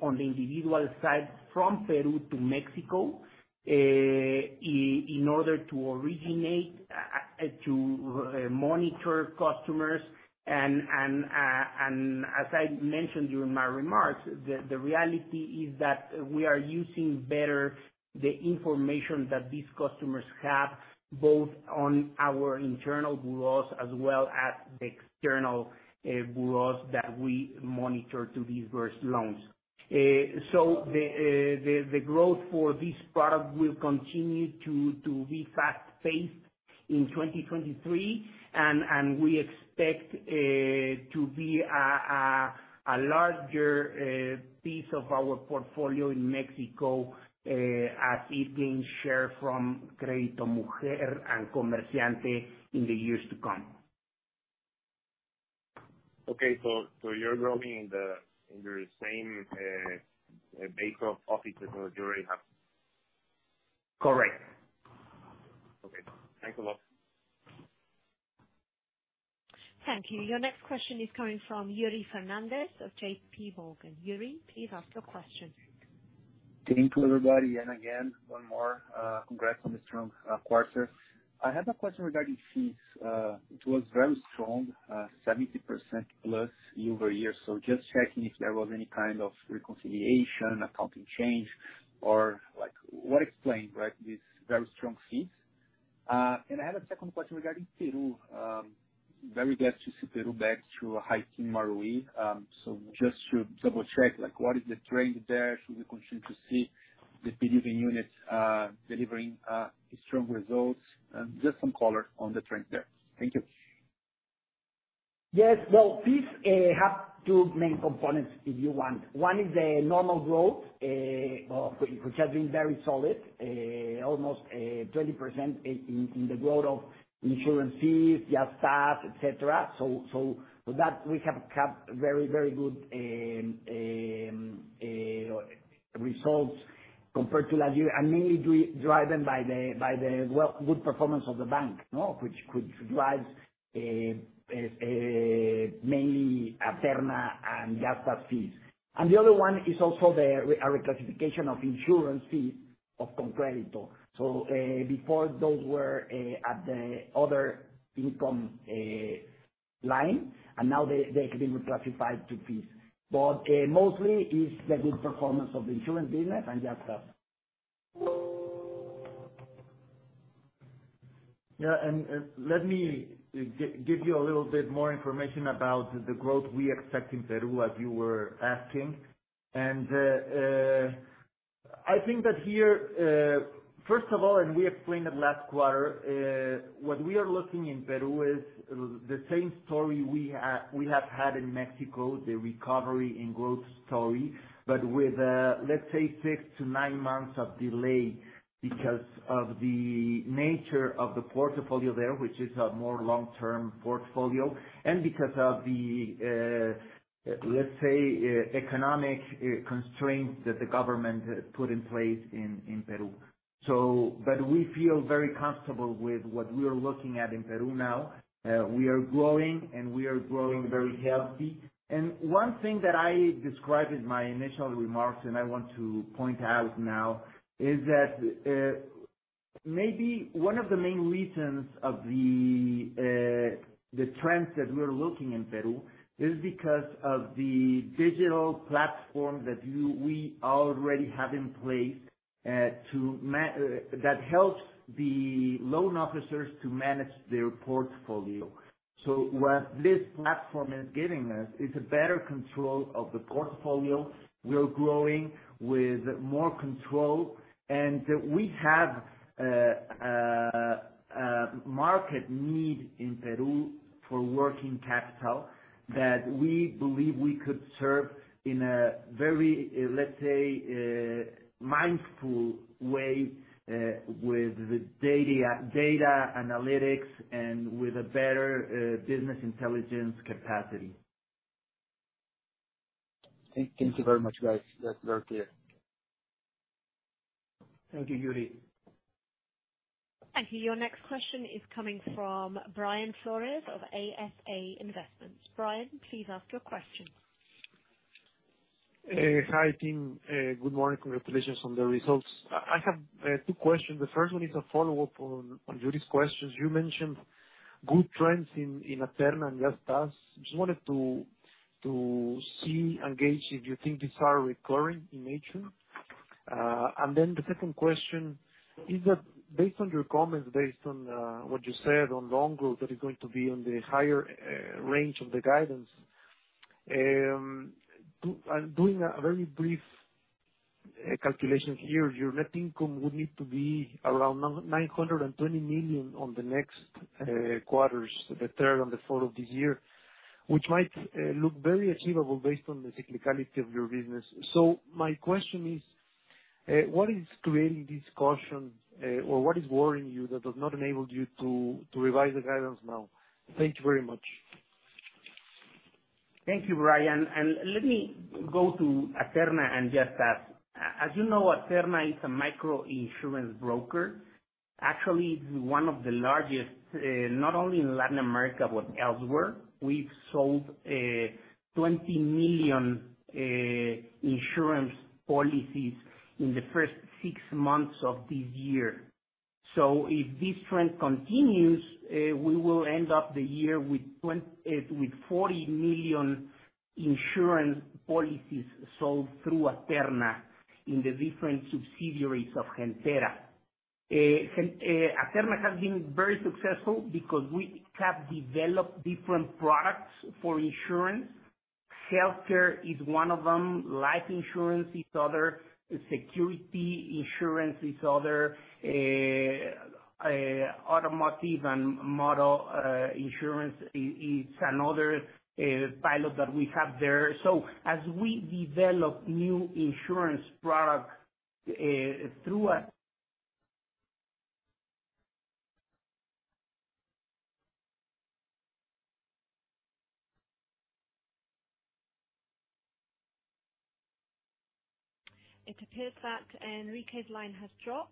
D: on the individual side from Peru to Mexico in order to originate to monitor customers. As I mentioned during my remarks, the reality is that we are using better the information that these customers have, both on our internal bureaus as well as the external bureaus that we monitor to disperse loans. The growth for this product will continue to be fast-paced in 2023. We expect to be a larger piece of our portfolio in Mexico, as it gains share from Crédito Mujer and Comerciante in the years to come.
J: Okay. You're growing in the same base of offices that you already have?
D: Correct.
J: Okay. Thanks a lot.
A: Thank you. Your next question is coming from Yuri Fernandes of JPMorgan. Yuri, please ask your question.
K: Good evening to everybody, and again, one more congrats on the strong quarter. I have a question regarding fees. It was very strong, 70%+ year-over-year. Just checking if there was any kind of reconciliation, accounting change, or, like, what explained, like, this very strong fees? I had a second question regarding Peru. Very glad to see Peru back to a high-teen ROE. Just to double check, like, what is the trend there? Should we continue to see the Peruvian units delivering strong results? Just some color on the trend there. Thank you.
D: Yes. Well, fees have two main components, if you want. One is the normal growth of which has been very solid, almost 20% in the growth of insurance fees, service fees, et cetera. So with that, we have kept very, very good results compared to last year, and mainly driven by the good performance of the bank, no? Which drives mainly Aterna and service fees. The other one is also a reclassification of insurance fees of ConCrédito. Before those were at the other income line, and now they have been reclassified to fees. Mostly it's the good performance of the insurance business and just that.
C: Yeah, let me give you a little bit more information about the growth we expect in Peru, as you were asking. I think that here, first of all, we explained it last quarter, what we are looking in Peru is the same story we have had in Mexico, the recovery and growth story, but with, let's say six to nine months of delay because of the nature of the portfolio there, which is a more long-term portfolio, and because of the, let's say, economic constraints that the government put in place in Peru. But we feel very comfortable with what we are looking at in Peru now. We are growing, and we are growing very healthy. One thing that I described in my initial remarks, and I want to point out now, is that maybe one of the main reasons of the trends that we are looking in Peru is because of the digital platform that we already have in place that helps the loan officers to manage their portfolio. What this platform is giving us is a better control of the portfolio. We are growing with more control, and we have market need in Peru for working capital that we believe we could serve in a very, let's say, mindful way with the data analytics and with a better business intelligence capacity.
K: Thank you very much, guys. That's very clear.
C: Thank you, Yuri.
A: Thank you. Your next question is coming from Brian Flores of ASA Investments. Brian, please ask your question.
L: Hi, team. Good morning. Congratulations on the results. I have two questions. The first one is a follow-up on Yuri's questions. You mentioned good trends in Aterna and Yastás. Just wanted to see and gauge if you think these are recurring in nature. The second question is that based on your comments, based on what you said on loan growth, that is going to be on the higher range of the guidance. Doing a very brief calculation here, your net income would need to be around 920 million on the next quarters, the third and the fourth of the year, which might look very achievable based on the technicality of your business. My question is, what is creating this caution, or what is worrying you that has not enabled you to revise the guidance now? Thank you very much.
C: Thank you, Brian. Let me go to Aterna and Yastás. As you know, Aterna is a micro insurance broker. Actually, it's one of the largest, not only in Latin America but elsewhere. We've sold 20 million insurance policies in the first six months of this year. If this trend continues, we will end up the year with 40 million insurance policies sold through Aterna in the different subsidiaries of Gentera. Aterna has been very successful because we have developed different products for insurance. Healthcare is one of them. Life insurance is other. Security insurance is other. Automotive and motor insurance is another pilot that we have there. As we develop new insurance products, through
A: It appears that Enrique's line has dropped.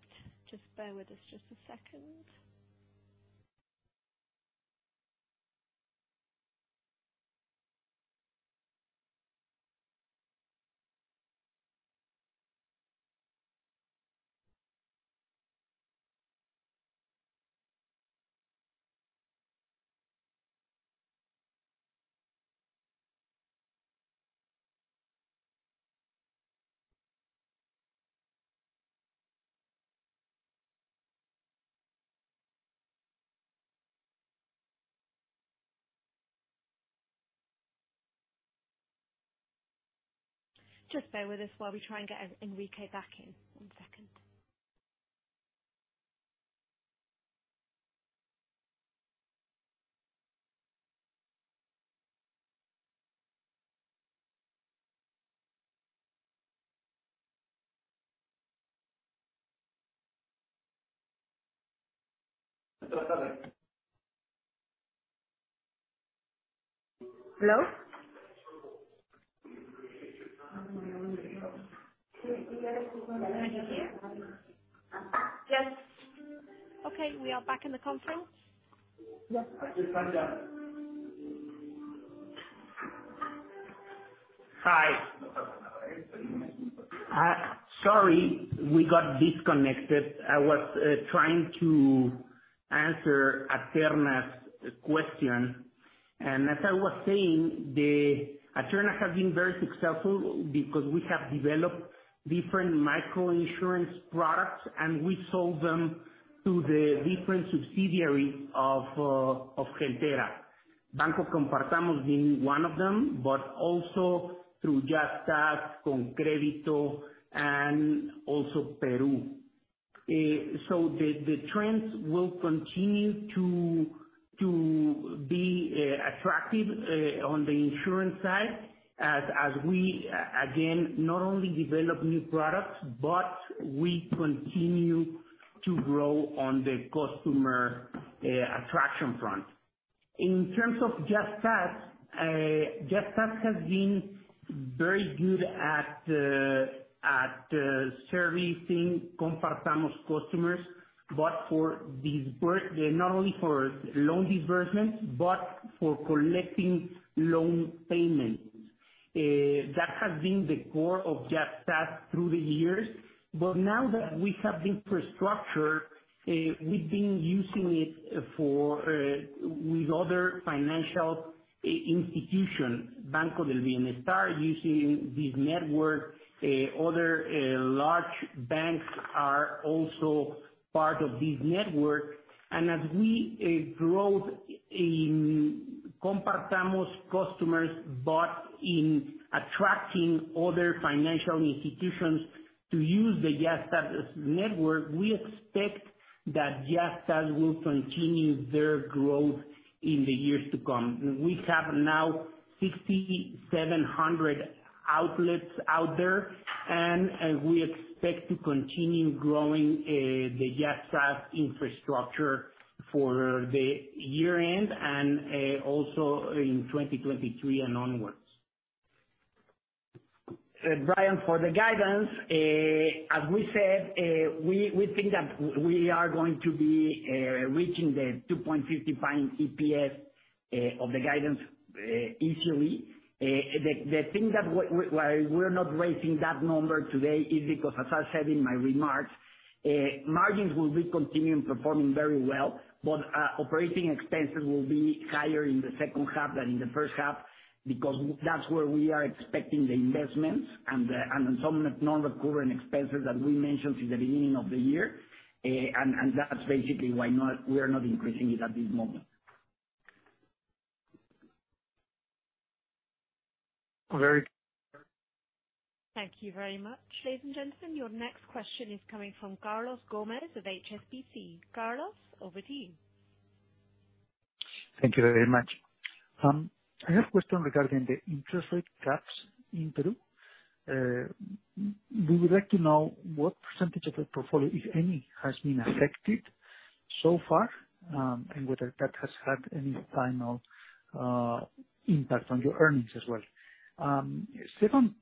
A: Just bear with us while we try and get Enrique back in one second.
C: Hello?
A: Can you hear?
C: Yes.
A: Okay, we are back in the conference.
C: Yes. Hi. Sorry, we got disconnected. I was trying to answer Aterna's question. As I was saying, the Aterna has been very successful because we have developed different micro-insurance products, and we sold them to the different subsidiaries of Gentera. Banco Compartamos being one of them, but also through Yastás, ConCrédito, and also Peru. The trends will continue to be attractive on the insurance side as we again not only develop new products, but we continue to grow on the customer attraction front. In terms of Yastás has been very good at servicing Compartamos customers, not only for loan disbursements, but for collecting loan payments. That has been the core of Yastás through the years. Now that we have the infrastructure, we've been using it with other financial institution. Banco del Bienestar using this network, other large banks are also part of this network. As we grow in Compartamos customers, but in attracting other financial institutions to use the Yastás network, we expect that Yastás will continue their growth in the years to come. We have now 6,700 outlets out there, and we expect to continue growing the Yastás infrastructure for the year-end and also in 2023 and onwards. Brian, for the guidance, as we said, we think that we are going to be reaching the 2.59 EPS of the guidance easily. Why we're not raising that number today is because, as I said in my remarks, margins will continue performing very well, but operating expenses will be higher in the second half than in the first half because that's where we are expecting the investments and some non-recurring expenses that we mentioned since the beginning of the year. That's basically why we're not increasing it at this moment.
L: Very-
A: Thank you very much. Ladies and gentlemen, your next question is coming from Carlos Gómez of HSBC. Carlos, over to you.
M: Thank you very much. I have a question regarding the interest rate caps in Peru. We would like to know what percentage of your portfolio, if any, has been affected so far, and whether that has had any final impact on your earnings as well. Second,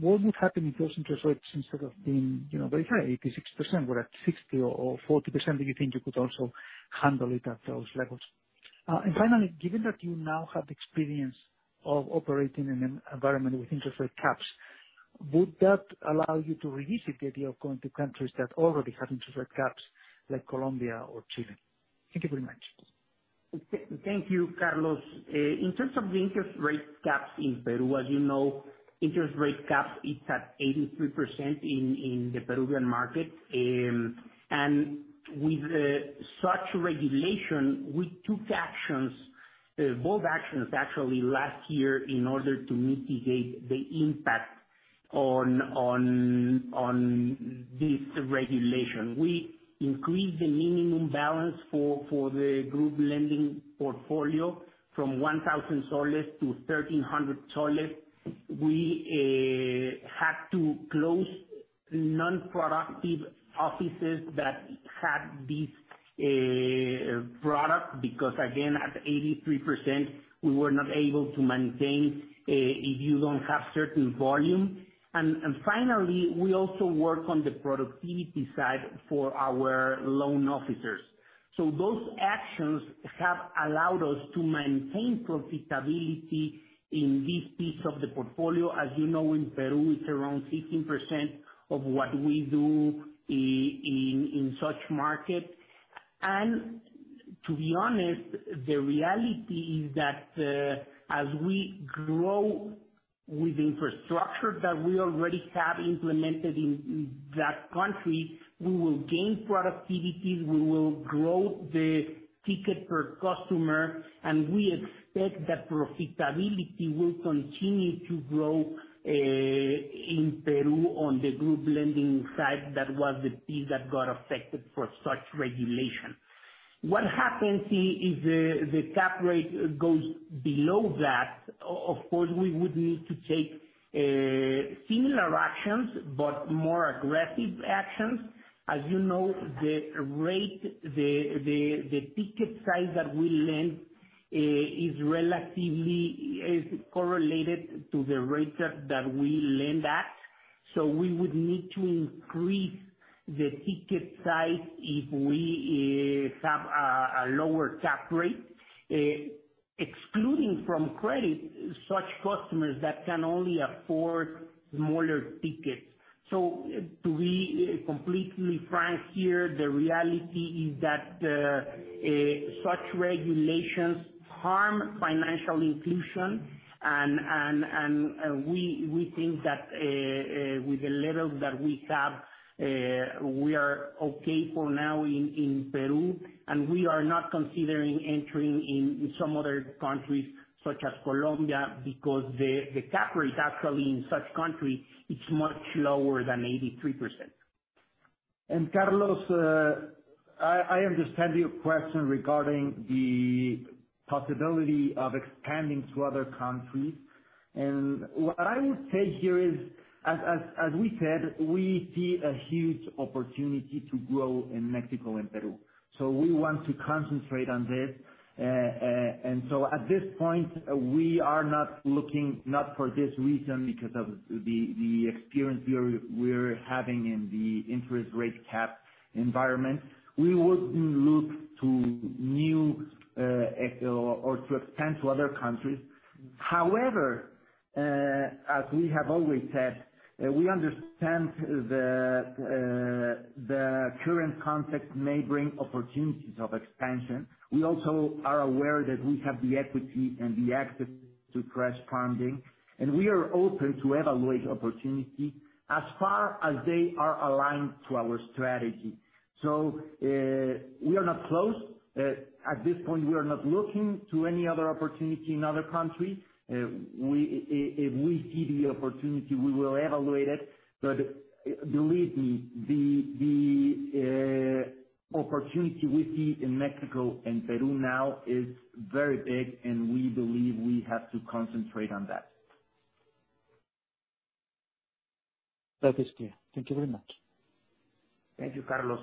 M: what would happen if those interest rates instead of being, you know, very high, 86%, were at 60% or 40%? Do you think you could also handle it at those levels? Finally, given that you now have experience of operating in an environment with interest rate caps, would that allow you to revisit the idea of going to countries that already have interest rate caps, like Colombia or Chile? Thank you very much.
F: Thank you, Carlos. In terms of the interest rate caps in Peru, as you know, it's at 83% in the Peruvian market. With such regulation, we took both actions actually last year in order to mitigate the impact on this regulation. We increased the minimum balance for the group lending portfolio from PEN 1,000 to PEN 1,300. We had to close non-productive offices that had this product because again, at 83%, we were not able to maintain if you don't have certain volume. Finally, we also work on the productivity side for our loan officers. Those actions have allowed us to maintain profitability in this piece of the portfolio. As you know, in Peru, it's around 16% of what we do in such market. To be honest, the reality is that as we grow with infrastructure that we already have implemented in that country, we will gain productivities, we will grow the ticket per customer, and we expect that profitability will continue to grow in Peru on the group lending side. That was the piece that got affected for such regulation. What happens if the cap rate goes below that, of course, we would need to take similar actions, but more aggressive actions. As you know, the rate, the ticket size that we lend is relatively correlated to the rates that we lend at. We would need to increase the ticket size if we have a lower cap rate, excluding from credit such customers that can only afford smaller tickets. To be completely frank here, the reality is that such regulations harm financial inclusion and we think that with the levels that we have, we are okay for now in Peru, and we are not considering entering in some other countries such as Colombia, because the cap rate actually in such country is much lower than 83%.
C: Carlos, I understand your question regarding the possibility of expanding to other countries. What I would say here is as we said, we see a huge opportunity to grow in Mexico and Peru, so we want to concentrate on this. At this point, we are not looking, not for this reason, because of the experience we're having in the interest rate cap environment. We wouldn't look to expand to other countries. However, as we have always said, we understand the current context may bring opportunities of expansion. We also are aware that we have the equity and the access to fresh funding, and we are open to evaluate opportunity as far as they are aligned to our strategy. We are not closed. At this point, we are not looking to any other opportunity in other countries. If we see the opportunity, we will evaluate it. Believe me, the opportunity we see in Mexico and Peru now is very big, and we believe we have to concentrate on that.
M: That is clear. Thank you very much.
C: Thank you, Carlos.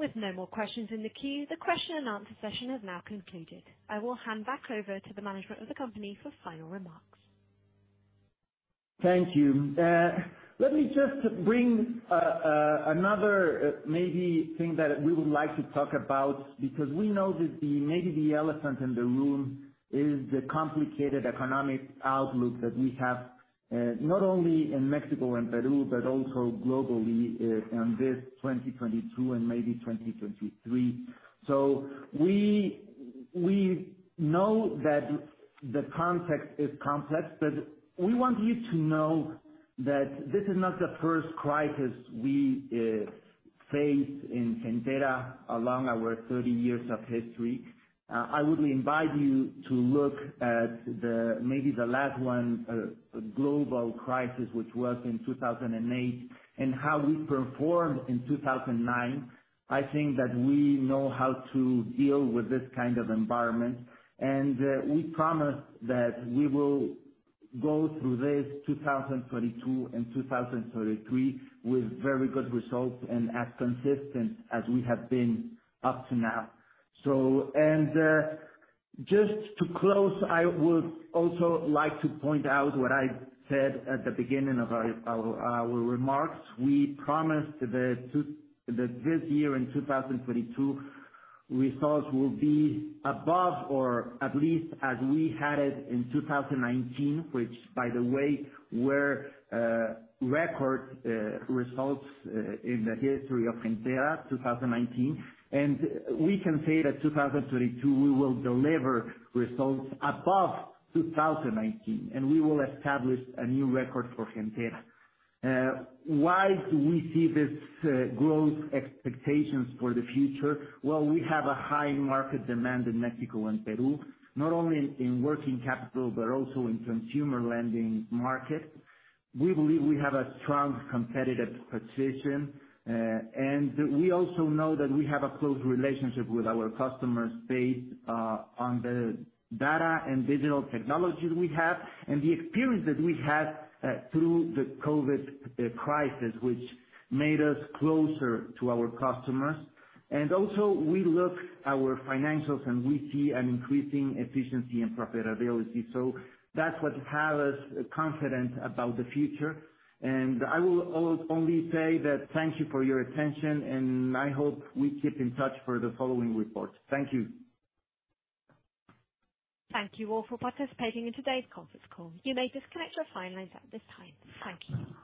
A: With no more questions in the queue, the question and answer session has now concluded. I will hand back over to the management of the company for final remarks.
C: Thank you. Let me just bring another maybe thing that we would like to talk about, because we know that maybe the elephant in the room is the complicated economic outlook that we have, not only in Mexico and Peru, but also globally, on this 2022 and maybe 2023. We know that the context is complex, but we want you to know that this is not the first crisis we faced in Gentera along our 30 years of history. I would invite you to look at maybe the last one, global crisis, which was in 2008, and how we performed in 2009. I think that we know how to deal with this kind of environment, and we promise that we will go through this 2022 and 2033 with very good results and as consistent as we have been up to now. Just to close, I would also like to point out what I said at the beginning of our remarks. We promised that this year in 2022, results will be above or at least as we had it in 2019, which by the way, were record results in the history of Gentera, 2019. We can say that 2022, we will deliver results above 2019, and we will establish a new record for Gentera. Why do we see this growth expectations for the future? Well, we have a high market demand in Mexico and Peru, not only in working capital, but also in consumer lending market. We believe we have a strong competitive position. We also know that we have a close relationship with our customers based on the data and digital technology we have and the experience that we had through the COVID crisis, which made us closer to our customers. Also we look our financials, and we see an increasing efficiency and profitability. That's what have us confident about the future. I will only say that thank you for your attention, and I hope we keep in touch for the following report. Thank you.
A: Thank you all for participating in today's conference call. You may disconnect your phone lines at this time. Thank you.